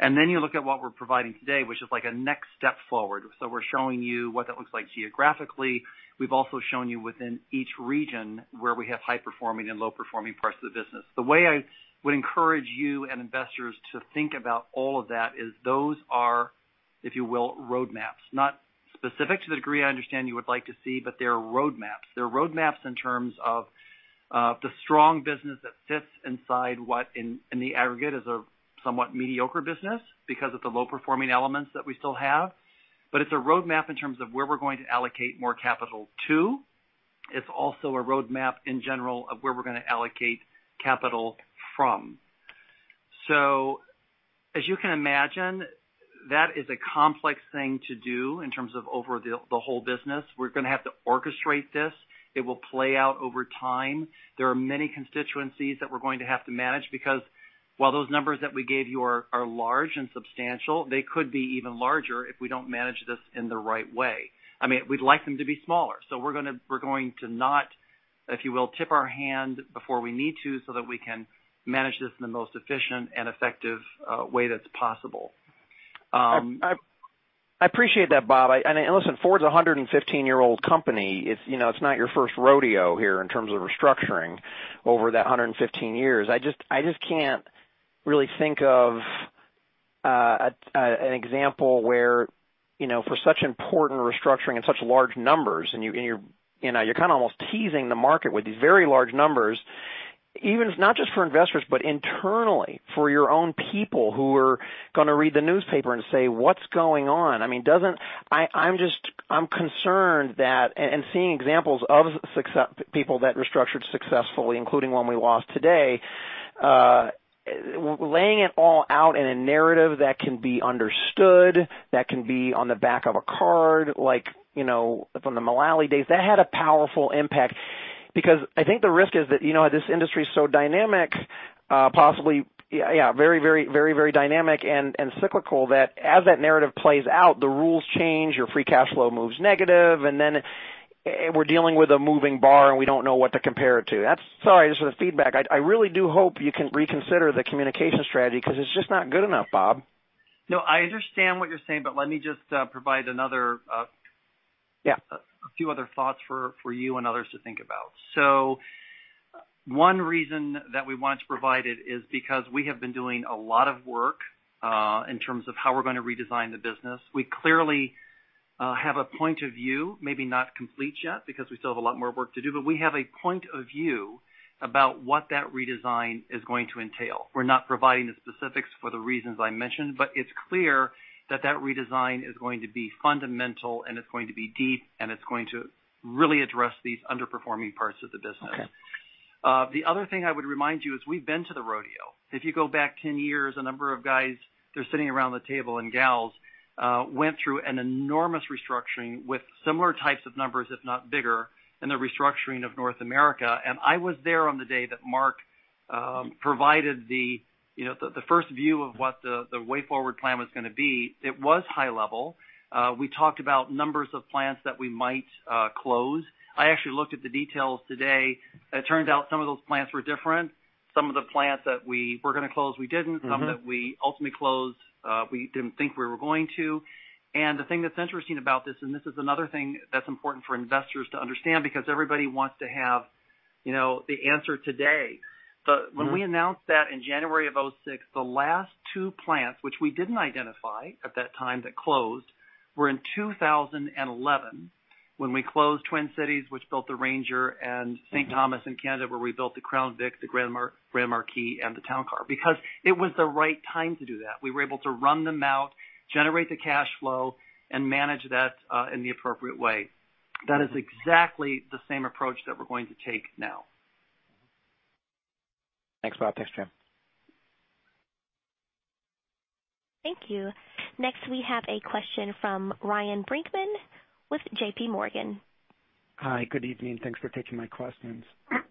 D: then you look at what we're providing today, which is like a next step forward. We're showing you what that looks like geographically. We've also shown you within each region where we have high-performing and low-performing parts of the business. The way I would encourage you and investors to think about all of that is those are, if you will, roadmaps. Not specific to the degree I understand you would like to see, but they're roadmaps. They're roadmaps in terms of the strong business that sits inside what in the aggregate is a somewhat mediocre business because of the low-performing elements that we still have. It's a roadmap in terms of where we're going to allocate more capital to. It's also a roadmap in general of where we're going to allocate capital from. As you can imagine, that is a complex thing to do in terms of over the whole business. We're going to have to orchestrate this. It will play out over time. There are many constituencies that we're going to have to manage because while those numbers that we gave you are large and substantial, they could be even larger if we don't manage this in the right way. We'd like them to be smaller. We're going to not, if you will, tip our hand before we need to so that we can manage this in the most efficient and effective way that's possible.
F: I appreciate that, Bob. Listen, Ford's a 115-year-old company. It's not your first rodeo here in terms of restructuring over that 115 years. I just can't really think of an example where for such important restructuring and such large numbers, you're kind of almost teasing the market with these very large numbers, even not just for investors, but internally for your own people who are going to read the newspaper and say, "What's going on?" I'm concerned that, seeing examples of people that restructured successfully, including one we lost today, laying it all out in a narrative that can be understood, that can be on the back of a card, like from the Mulally days. That had a powerful impact because I think the risk is that this industry is so dynamic, possibly very, very dynamic and cyclical that as that narrative plays out, the rules change, your free cash flow moves negative, and then we're dealing with a moving bar and we don't know what to compare it to. Sorry, this is a feedback. I really do hope you can reconsider the communication strategy because it's just not good enough, Bob.
D: I understand what you're saying, but let me just provide.
F: Yeah
D: A few other thoughts for you and others to think about. One reason that we wanted to provide it is because we have been doing a lot of work in terms of how we're going to redesign the business. We clearly have a point of view, maybe not complete yet because we still have a lot more work to do, but we have a point of view about what that redesign is going to entail. We're not providing the specifics for the reasons I mentioned, but it's clear that that redesign is going to be fundamental and it's going to be deep and it's going to really address these underperforming parts of the business.
F: Okay.
D: The other thing I would remind you is we've been to the rodeo. If you go back 10 years, a number of guys that are sitting around the table, and gals, went through an enormous restructuring with similar types of numbers, if not bigger in the restructuring of North America. I was there on the day that Mark provided the first view of what The Way Forward plan was going to be. It was high level. We talked about numbers of plants that we might close. I actually looked at the details today. It turns out some of those plants were different. Some of the plants that we were going to close, we didn't. Some that we ultimately closed, we didn't think we were going to. The thing that's interesting about this, and this is another thing that's important for investors to understand because everybody wants to have the answer today. When we announced that in January of 2006, the last two plants, which we didn't identify at that time that closed, were in 2011 when we closed Twin Cities, which built the Ranger and St. Thomas in Canada where we built the Crown Victoria, the Grand Marquis and the Town Car because it was the right time to do that. We were able to run them out, generate the cash flow and manage that in the appropriate way. That is exactly the same approach that we're going to take now.
F: Thanks, Bob. Thanks, Jim.
A: Thank you. Next we have a question from Ryan Brinkman with JPMorgan.
G: Hi, good evening. Thanks for taking my questions.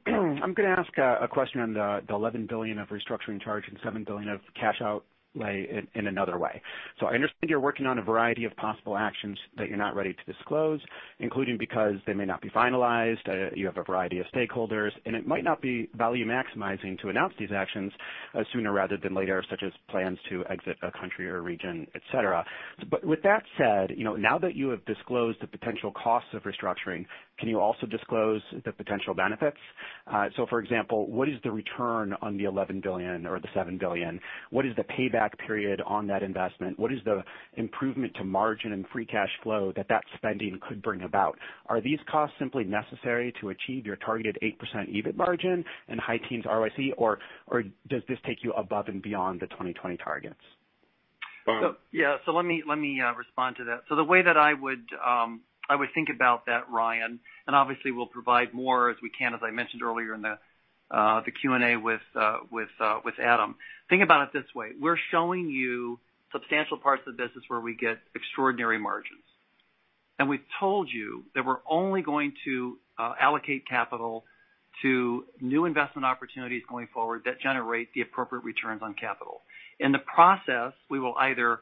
G: I'm going to ask a question on the $11 billion of restructuring charge and $7 billion of cash outlay in another way. I understand you're working on a variety of possible actions that you're not ready to disclose, including because they may not be finalized, you have a variety of stakeholders, and it might not be value maximizing to announce these actions sooner rather than later, such as plans to exit a country or region, et cetera. With that said, now that you have disclosed the potential costs of restructuring, can you also disclose the potential benefits? For example, what is the return on the $11 billion or the $7 billion? What is the payback period on that investment? What is the improvement to margin and free cash flow that that spending could bring about? Are these costs simply necessary to achieve your targeted 8% EBIT margin and high teens ROIC, or does this take you above and beyond the 2020 targets?
D: Yeah. Let me respond to that. The way that I would think about that, Ryan, and obviously we'll provide more as we can, as I mentioned earlier in the Q&A with Adam. Think about it this way: we're showing you substantial parts of the business where we get extraordinary margins. We've told you that we're only going to allocate capital to new investment opportunities going forward that generate the appropriate returns on capital. In the process, we will either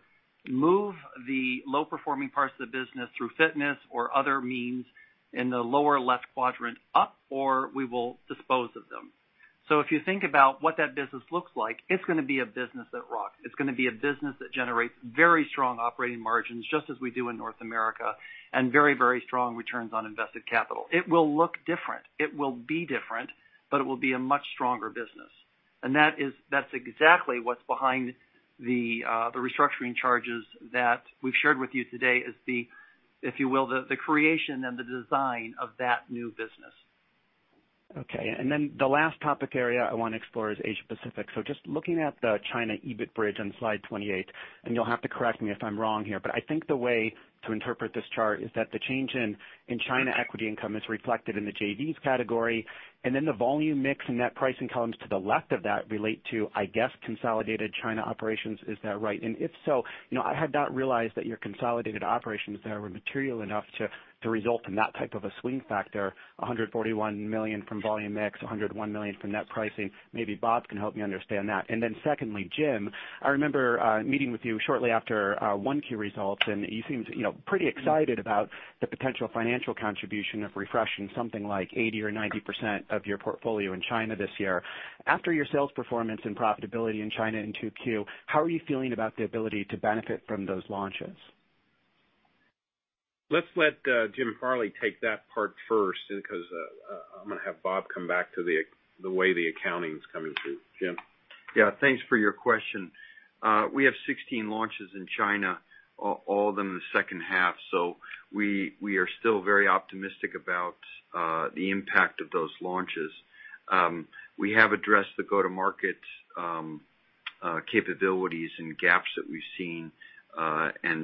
D: move the low-performing parts of the business through fitness or other means in the lower left quadrant up, or we will dispose of them. If you think about what that business looks like, it's going to be a business that rocks. It's going to be a business that generates very strong operating margins, just as we do in North America, and very strong returns on invested capital. It will look different. It will be different, but it will be a much stronger business. That's exactly what's behind the restructuring charges that we've shared with you today is the, if you will, the creation and the design of that new business.
G: Okay. The last topic area I want to explore is Asia Pacific. Looking at the China EBIT bridge on slide 28, you'll have to correct me if I'm wrong here, but I think the way to interpret this chart is that the change in China equity income is reflected in the JVs category, the volume mix and net pricing columns to the left of that relate to, I guess, consolidated China operations. Is that right? If so, I had not realized that your consolidated operations there were material enough to result in that type of a swing factor, $141 million from volume mix, $101 million from net pricing. Maybe Bob can help me understand that. Secondly, Jim, I remember meeting with you shortly after 1Q results, you seemed pretty excited about the potential financial contribution of refreshing something like 80% or 90% of your portfolio in China this year. After your sales performance and profitability in China in 2Q, how are you feeling about the ability to benefit from those launches?
D: Let's let Jim Farley take that part first because I'm going to have Bob come back to the way the accounting's coming through. Jim?
E: Yeah. Thanks for your question. We have 16 launches in China, all of them in the second half, we are still very optimistic about the impact of those launches. We have addressed the go-to-market capabilities and gaps that we've seen,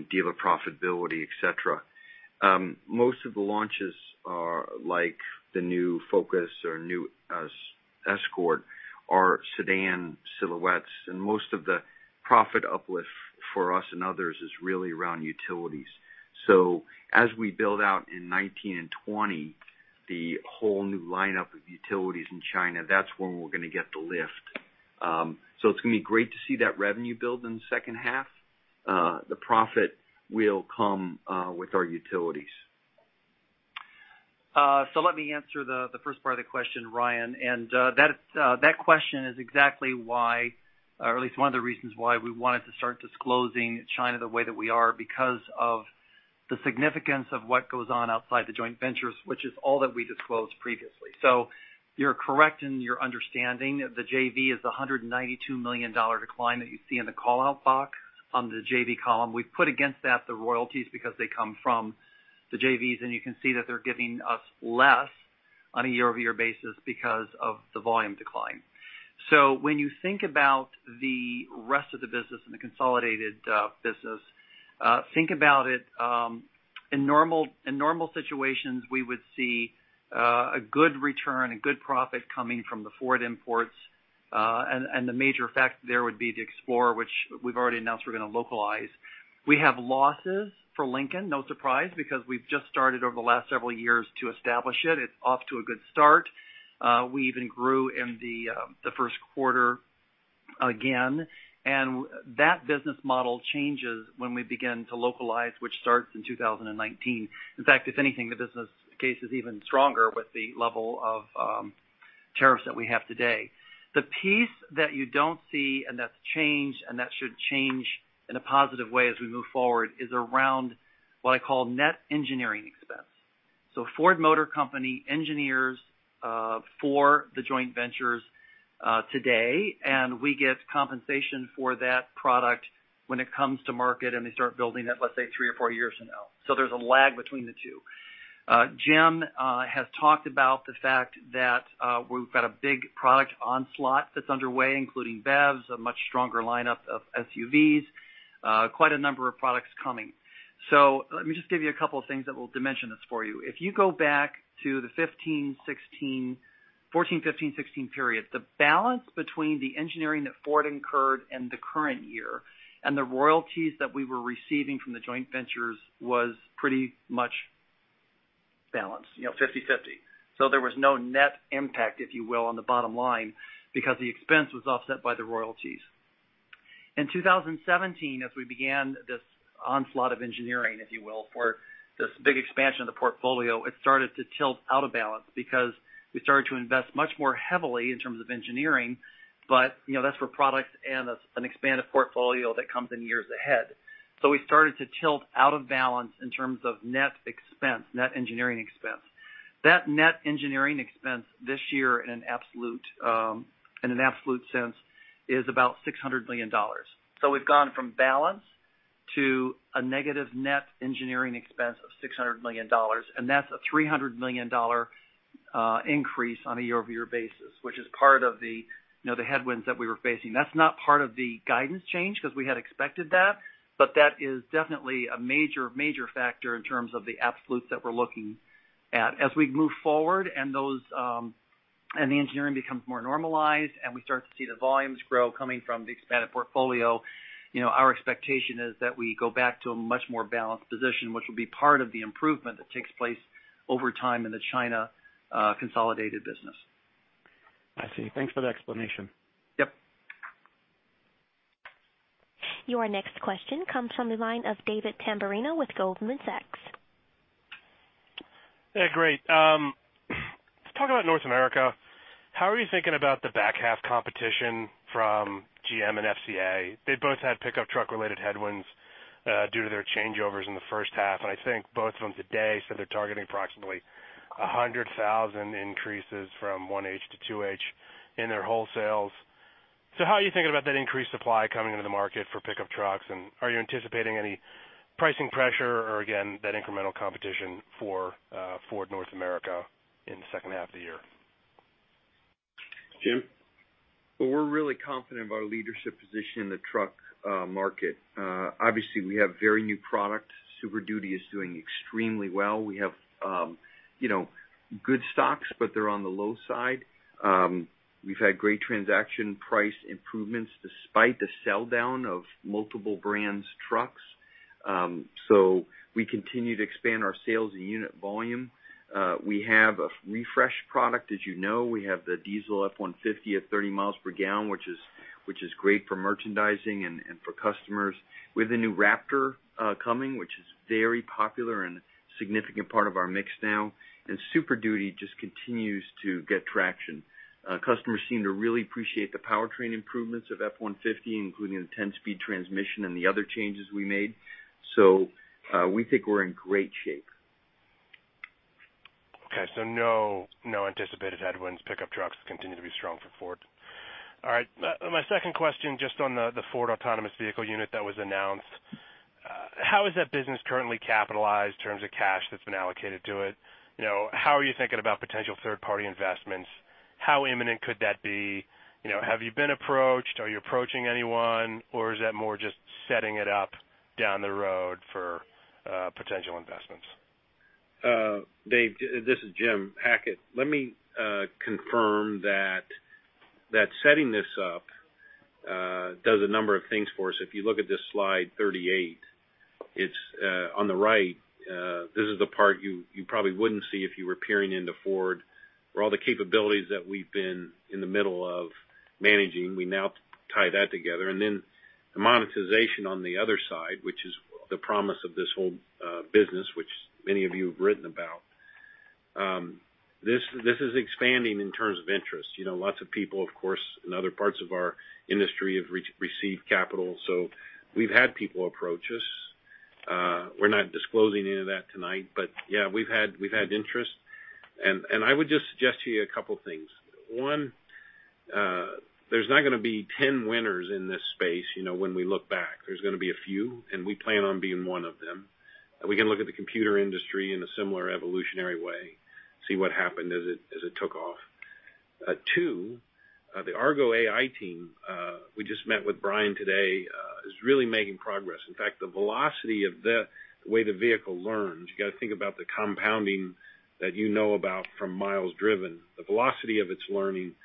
E: dealer profitability, et cetera. Most of the launches are like the new Focus or new Escort are sedan silhouettes, most of the profit uplift for us and others is really around utilities. As we build out in 2019 and 2020 the whole new lineup of utilities in China, that's when we're going to get the lift. It's going to be great to see that revenue build in the second half. The profit will come with our utilities.
D: Let me answer the first part of the question, Ryan. That question is exactly why, or at least one of the reasons why we wanted to start disclosing China the way that we are because of the significance of what goes on outside the joint ventures, which is all that we disclosed previously. You're correct in your understanding. The JV is the $192 million decline that you see in the call-out box on the JV column. We've put against that the royalties because they come from the JVs, and you can see that they're giving us less on a year-over-year basis because of the volume decline. When you think about the rest of the business and the consolidated business, think about it. In normal situations, we would see a good return, a good profit coming from the Ford imports. The major effect there would be the Explorer, which we've already announced we're going to localize. We have losses for Lincoln, no surprise, because we've just started over the last several years to establish it. It's off to a good start. We even grew in the first quarter again, and that business model changes when we begin to localize, which starts in 2019. In fact, if anything, the business case is even stronger with the level of tariffs that we have today. The piece that you don't see and that's changed and that should change in a positive way as we move forward is around what I call net engineering expense. Ford Motor Company engineers for the joint ventures today, and we get compensation for that product when it comes to market and they start building it, let's say, three or four years from now. There's a lag between the two. Jim has talked about the fact that we've got a big product onslaught that's underway, including BEVs, a much stronger lineup of SUVs, quite a number of products coming. Let me just give you a couple of things that will dimension this for you. If you go back to the 2014, 2015, 2016 period, the balance between the engineering that Ford incurred in the current year and the royalties that we were receiving from the joint ventures was pretty much balanced, 50/50. There was no net impact, if you will, on the bottom line because the expense was offset by the royalties. In 2017, as we began this onslaught of engineering, if you will, for this big expansion of the portfolio, it started to tilt out of balance because we started to invest much more heavily in terms of engineering. That's for product and an expanded portfolio that comes in years ahead. We started to tilt out of balance in terms of net expense, net engineering expense. That net engineering expense this year in an absolute sense is about $600 million. We've gone from balance to a negative net engineering expense of $600 million, and that's a $300 million increase on a year-over-year basis, which is part of the headwinds that we were facing. That's not part of the guidance change because we had expected that is definitely a major factor in terms of the absolutes that we're looking at. As we move forward and the engineering becomes more normalized and we start to see the volumes grow coming from the expanded portfolio, our expectation is that we go back to a much more balanced position, which will be part of the improvement that takes place over time in the China consolidated business.
G: I see. Thanks for the explanation.
D: Yep.
A: Your next question comes from the line of David Tamberrino with Goldman Sachs.
H: Yeah, great. Let's talk about North America. How are you thinking about the back half competition from GM and FCA? They both had pickup truck related headwinds due to their changeovers in the first half, and I think both of them today said they're targeting approximately 100,000 increases from 1H to 2H in their wholesales. How are you thinking about that increased supply coming into the market for pickup trucks, and are you anticipating any pricing pressure or again, that incremental competition for Ford North America in the second half of the year?
D: Jim?
E: Well, we're really confident about our leadership position in the truck market. Obviously, we have very new product. Super Duty is doing extremely well. We have good stocks, but they're on the low side. We've had great transaction price improvements despite the sell-down of multiple brands' trucks. We continue to expand our sales and unit volume. We have a refreshed product, as you know. We have the diesel F-150 at 30 miles per gallon, which is great for merchandising and for customers. We have the new Raptor coming, which is very popular and a significant part of our mix now. Super Duty just continues to get traction. Customers seem to really appreciate the powertrain improvements of F-150, including the 10-speed transmission and the other changes we made. We think we're in great shape.
H: Okay. No anticipated headwinds. Pickup trucks continue to be strong for Ford. All right. My second question, just on the Ford Autonomous Vehicle unit that was announced. How is that business currently capitalized in terms of cash that's been allocated to it? How are you thinking about potential third-party investments? How imminent could that be? Have you been approached? Are you approaching anyone? Or is that more just setting it up down the road for potential investments?
C: Dave, this is Jim Hackett. Let me confirm that setting this up does a number of things for us. If you look at this slide 38, it's on the right. This is the part you probably wouldn't see if you were peering into Ford. For all the capabilities that we've been in the middle of managing, we now tie that together and then the monetization on the other side, which is the promise of this whole business, which many of you have written about. We've had people approach us. We're not disclosing any of that tonight, but yeah, we've had interest. I would just suggest to you a couple of things. One, there's not going to be 10 winners in this space when we look back. There's going to be a few, and we plan on being one of them. We can look at the computer industry in a similar evolutionary way, see what happened as it took off. Two, the Argo AI team, we just met with Brian today, is really making progress. In fact, the velocity of the way the vehicle learns, you got to think about the compounding that you know about from miles driven. The velocity of its learning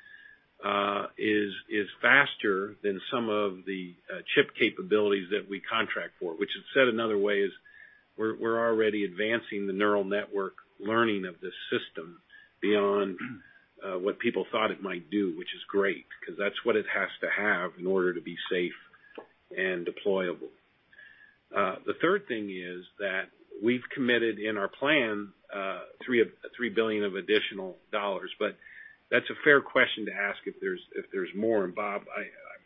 C: is faster than some of the chip capabilities that we contract for, which is said another way is we're already advancing the neural network learning of this system beyond what people thought it might do, which is great because that's what it has to have in order to be safe and deployable. The third thing is that we've committed in our plan $3 billion of additional dollars, but that's a fair question to ask if there's more. Bob,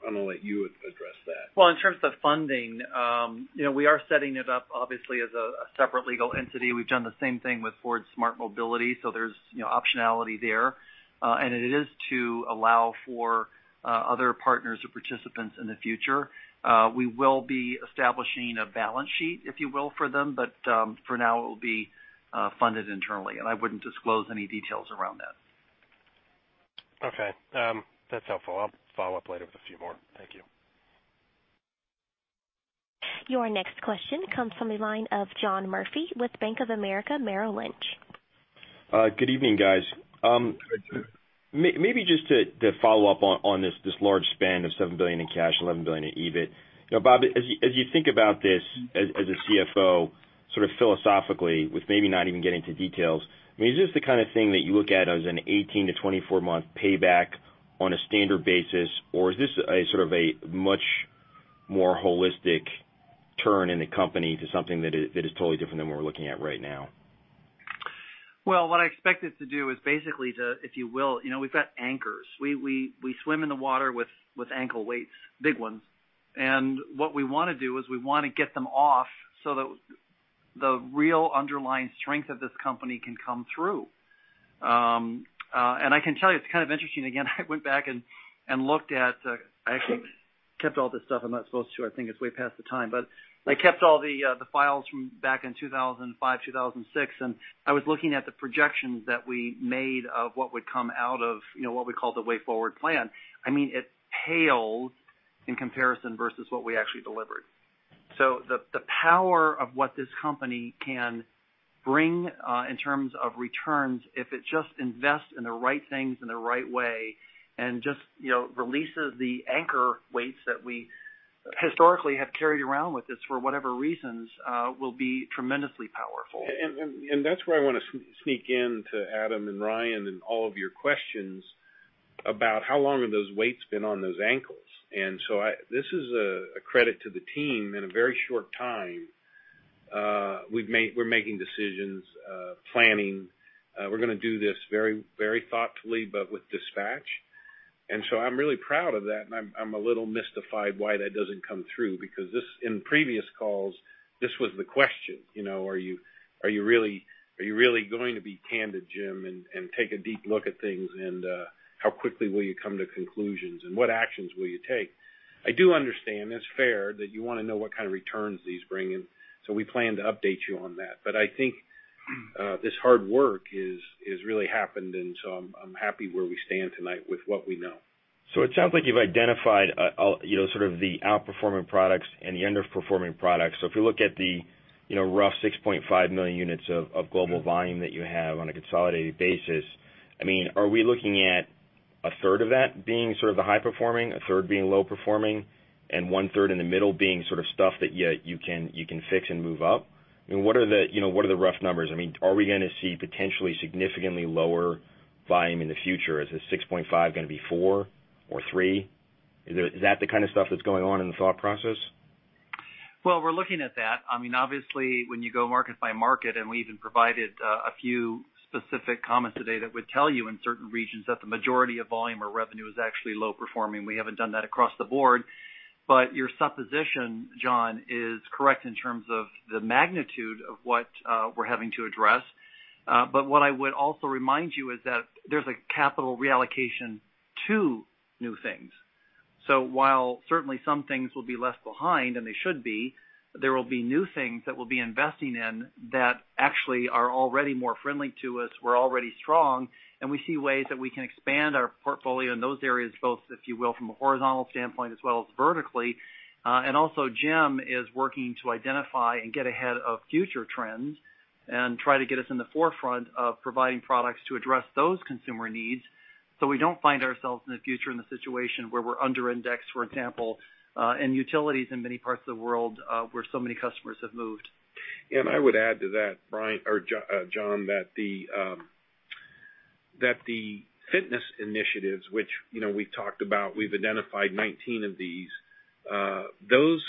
C: I'm going to let you address that.
D: Well, in terms of funding, we are setting it up obviously as a separate legal entity. We've done the same thing with Ford Smart Mobility, so there's optionality there. It is to allow for other partners or participants in the future. We will be establishing a balance sheet, if you will, for them. For now, it will be funded internally, and I wouldn't disclose any details around that.
H: Okay. That's helpful. I'll follow up later with a few more. Thank you.
A: Your next question comes from the line of John Murphy with Bank of America Merrill Lynch.
I: Good evening, guys.
D: Good evening.
I: Maybe just to follow up on this large spend of $7 billion in cash, $11 billion in EBIT. Bob, as you think about this as a CFO, sort of philosophically, with maybe not even getting to details, is this the kind of thing that you look at as an 18- to 24-month payback on a standard basis, or is this a much more holistic turn in the company to something that is totally different than what we're looking at right now?
D: What I expect it to do is basically to, if you will, we've got anchors. We swim in the water with ankle weights, big ones. What we want to do is we want to get them off so that the real underlying strength of this company can come through. I can tell you, it's kind of interesting. Again, I went back and looked at, I actually kept all this stuff I'm not supposed to. I think it's way past the time, I kept all the files from back in 2005, 2006, and I was looking at the projections that we made of what would come out of what we call the Way Forward plan. It pales in comparison versus what we actually delivered. The power of what this company can bring in terms of returns, if it just invests in the right things in the right way, and just releases the anchor weights that we historically have carried around with us for whatever reasons, will be tremendously powerful.
C: That's where I want to sneak in to Adam and Ryan and all of your questions about how long have those weights been on those ankles. This is a credit to the team. In a very short time, we're making decisions, planning. We're going to do this very thoughtfully, but with dispatch. I'm really proud of that, and I'm a little mystified why that doesn't come through, because in previous calls, this was the question. Are you really going to be candid, Jim, and take a deep look at things, and how quickly will you come to conclusions and what actions will you take? I do understand, it's fair, that you want to know what kind of returns these bring in, we plan to update you on that.
I: I think this hard work has really happened, I'm happy where we stand tonight with what we know. It sounds like you've identified the outperforming products and the underperforming products. If you look at the rough 6.5 million units of global volume that you have on a consolidated basis, are we looking at a third of that being sort of the high-performing, a third being low-performing, and one-third in the middle being sort of stuff that you can fix and move up? What are the rough numbers? Are we going to see potentially significantly lower volume in the future? Is this 6.5 going to be four or three? Is that the kind of stuff that's going on in the thought process?
D: We're looking at that. Obviously, when you go market by market, and we even provided a few specific comments today that would tell you in certain regions that the majority of volume or revenue is actually low-performing. We haven't done that across the board. Your supposition, John, is correct in terms of the magnitude of what we're having to address. What I would also remind you is that there's a capital reallocation to new things. While certainly some things will be left behind, and they should be, there will be new things that we'll be investing in that actually are already more friendly to us, we're already strong, and we see ways that we can expand our portfolio in those areas, both, if you will, from a horizontal standpoint as well as vertically. Jim is working to identify and get ahead of future trends and try to get us in the forefront of providing products to address those consumer needs so we don't find ourselves in the future in the situation where we're under-indexed, for example, in SUVs in many parts of the world, where so many customers have moved.
E: I would add to that, John, that the fitness initiatives, which we've talked about, we've identified 19 of these, those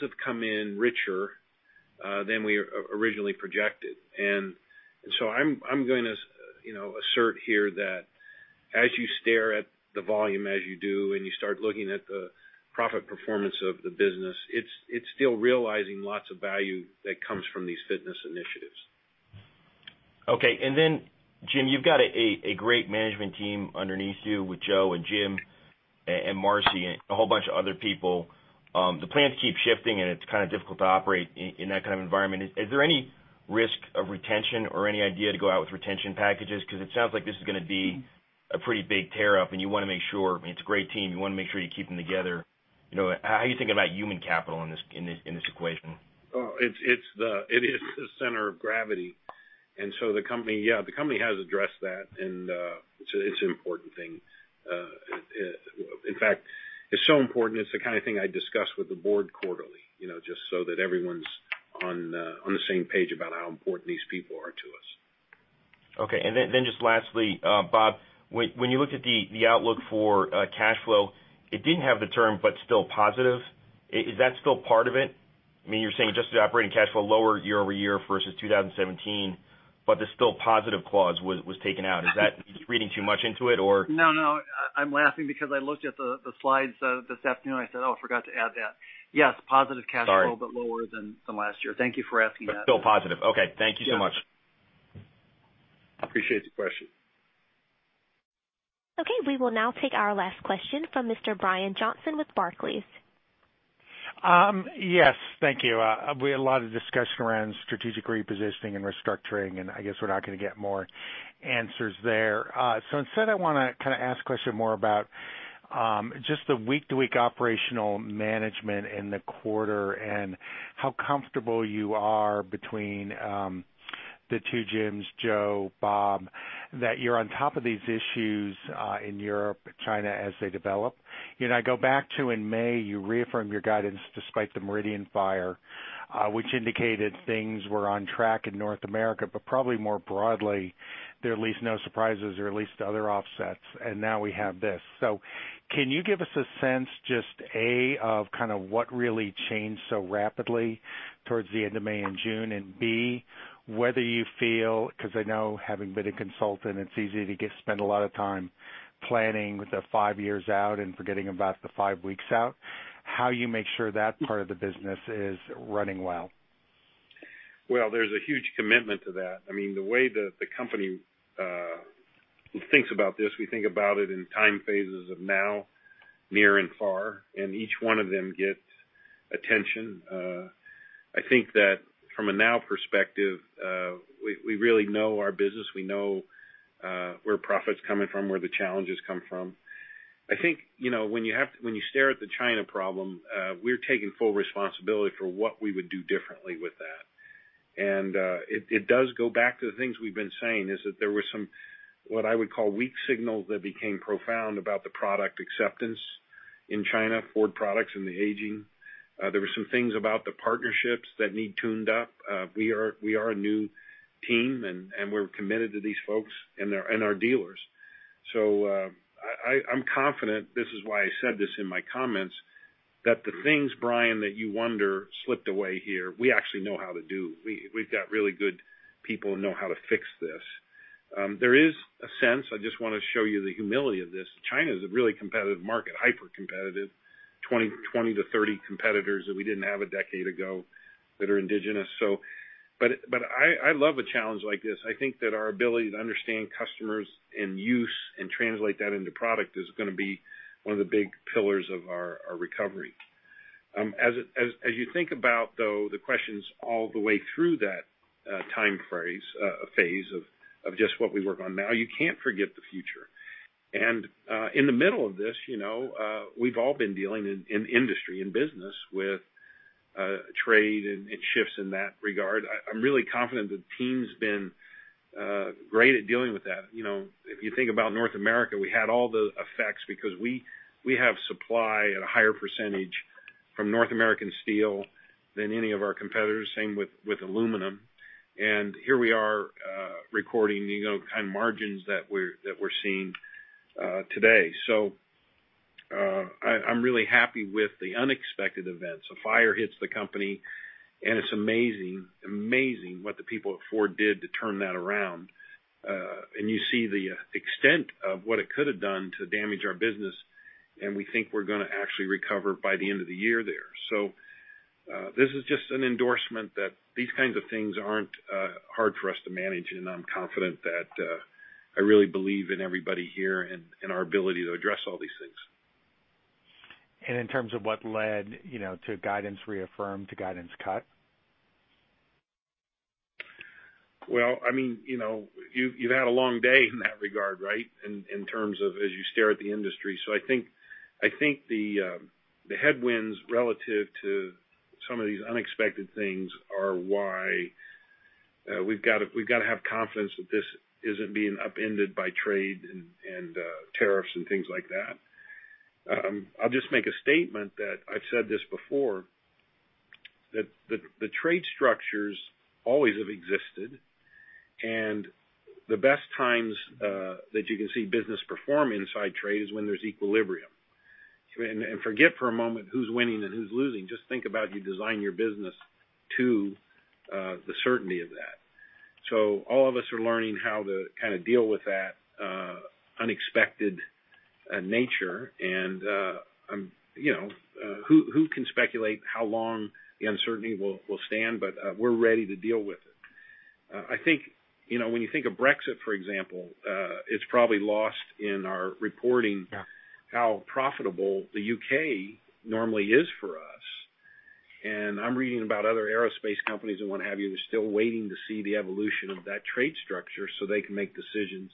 E: have come in richer than we originally projected. I'm going to assert here that as you stare at the volume as you do, and you start looking at the profit performance of the business, it's still realizing lots of value that comes from these fitness initiatives. Okay. Jim, you've got a great management team underneath you with Joe and Jim and Marcy and a whole bunch of other people. The plans keep shifting, and it's kind of difficult to operate in that kind of environment. Is there any risk of retention or any idea to go out with retention packages?
I: It sounds like this is going to be a pretty big tear-up and you want to make sure, it's a great team, you want to make sure you keep them together. How are you thinking about human capital in this equation?
C: It is the center of gravity. The company has addressed that, and it's an important thing. In fact, it's so important, it's the kind of thing I discuss with the board quarterly, just so that everyone's on the same page about how important these people are to us.
I: Okay, just lastly, Bob, when you looked at the outlook for cash flow, it didn't have the term, still positive. Is that still part of it? You're saying just the operating cash flow lower year-over-year versus 2017, the still positive clause was taken out. Is that reading too much into it, or?
D: No. I'm laughing because I looked at the slides this afternoon, I said, "Oh, I forgot to add that." Yes, positive cash flow-
I: Sorry
D: lower than last year. Thank you for asking that.
I: Still positive. Okay. Thank you so much.
D: Yes. Appreciate the question.
A: Okay. We will now take our last question from Mr. Brian Johnson with Barclays.
J: Yes. Thank you. We had a lot of discussion around strategic repositioning and restructuring, I guess we're not going to get more. Answers there. Instead, I want to ask a question more about just the week-to-week operational management in the quarter and how comfortable you are between the two Jims, Joe Hinrichs, Bob, that you're on top of these issues in Europe, China, as they develop. I go back to, in May, you reaffirmed your guidance despite the Meridian fire, which indicated things were on track in North America, probably more broadly, there are at least no surprises or at least other offsets, now we have this. Can you give us a sense, just, A, of what really changed so rapidly towards the end of May and June, and B, whether you feel, because I know having been a consultant, it's easy to spend a lot of time planning five years out and forgetting about the five weeks out, how you make sure that part of the business is running well?
C: There's a huge commitment to that. The way that the company thinks about this, we think about it in time phases of now, near, and far, and each one of them gets attention. I think that from a now perspective, we really know our business. We know where profit's coming from, where the challenges come from. I think, when you stare at the China problem, we're taking full responsibility for what we would do differently with that. It does go back to the things we've been saying, is that there were some, what I would call weak signals that became profound about the product acceptance in China, Ford products and the aging. There were some things about the partnerships that need tuned up. We are a new team, and we're committed to these folks and our dealers. I'm confident, this is why I said this in my comments, that the things, Brian, that you wonder slipped away here, we actually know how to do. We've got really good people who know how to fix this. There is a sense, I just want to show you the humility of this. China is a really competitive market, hyper-competitive, 20 to 30 competitors that we didn't have a decade ago that are indigenous. I love a challenge like this. I think that our ability to understand customers and use and translate that into product is going to be one of the big pillars of our recovery. As you think about, though, the questions all the way through that time phase of just what we work on now, you can't forget the future. In the middle of this, we've all been dealing in industry, in business with trade and shifts in that regard. I'm really confident the team's been great at dealing with that. If you think about North America, we had all the effects because we have supply at a higher percentage from North American steel than any of our competitors, same with aluminum. Here we are recording the kind of margins that we're seeing today. I'm really happy with the unexpected events. A fire hits the company, and it's amazing what the people at Ford did to turn that around. You see the extent of what it could have done to damage our business, and we think we're going to actually recover by the end of the year there. This is just an endorsement that these kinds of things aren't hard for us to manage, and I'm confident that I really believe in everybody here and our ability to address all these things.
J: In terms of what led to guidance reaffirmed to guidance cut?
C: Well, you've had a long day in that regard, right, in terms of as you stare at the industry. I think the headwinds relative to some of these unexpected things are why we've got to have confidence that this isn't being upended by trade and tariffs and things like that. I'll just make a statement that I've said this before, that the trade structures always have existed, and the best times that you can see business perform inside trade is when there's equilibrium. Forget for a moment who's winning and who's losing. Just think about you design your business to the certainty of that. All of us are learning how to deal with that unexpected nature. Who can speculate how long the uncertainty will stand, but we're ready to deal with it. I think, when you think of Brexit, for example, it's probably lost in our reporting how profitable the U.K. normally is for us. I'm reading about other aerospace companies and what have you, who are still waiting to see the evolution of that trade structure so they can make decisions.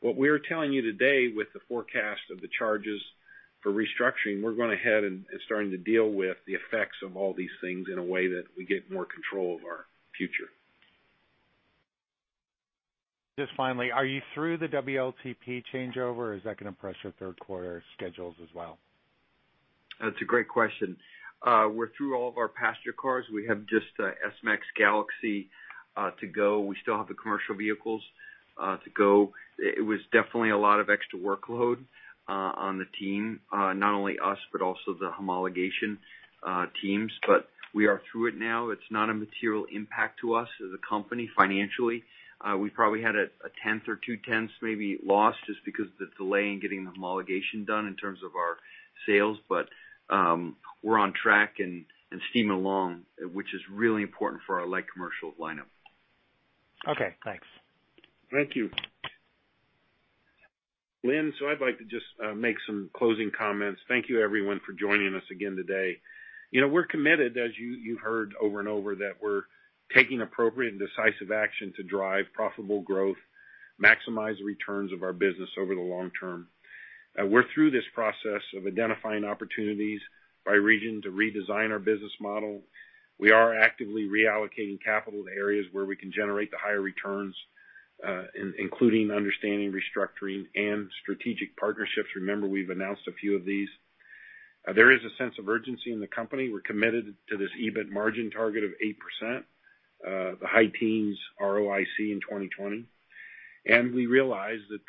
C: What we're telling you today with the forecast of the charges for restructuring, we're going ahead and starting to deal with the effects of all these things in a way that we get more control of our future.
J: Just finally, are you through the WLTP changeover, or is that going to press your third quarter schedules as well?
E: That's a great question. We're through all of our passenger cars. We have just S-MAX Galaxy to go. We still have the commercial vehicles to go. It was definitely a lot of extra workload on the team, not only us, but also the homologation teams. We are through it now. It's not a material impact to us as a company financially. We probably had a tenth or two-tenths maybe lost just because of the delay in getting the homologation done in terms of our sales. We're on track and steaming along, which is really important for our light commercial lineup.
J: Okay, thanks.
C: Thank you. Lynn, I'd like to just make some closing comments. Thank you, everyone, for joining us again today. We're committed, as you heard over and over, that we're taking appropriate and decisive action to drive profitable growth, maximize returns of our business over the long term. We're through this process of identifying opportunities by region to redesign our business model. We are actively reallocating capital to areas where we can generate the higher returns, including understanding restructuring and strategic partnerships. Remember, we've announced a few of these. There is a sense of urgency in the company. We're committed to this EBIT margin target of 8%, the high teens ROIC in 2020. We realize that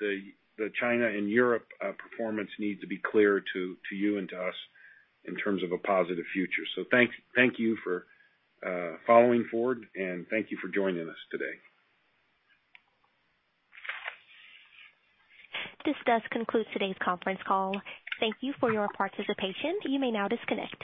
C: the China and Europe performance need to be clear to you and to us in terms of a positive future. Thank you for following Ford, and thank you for joining us today.
A: This does conclude today's conference call. Thank you for your participation. You may now disconnect.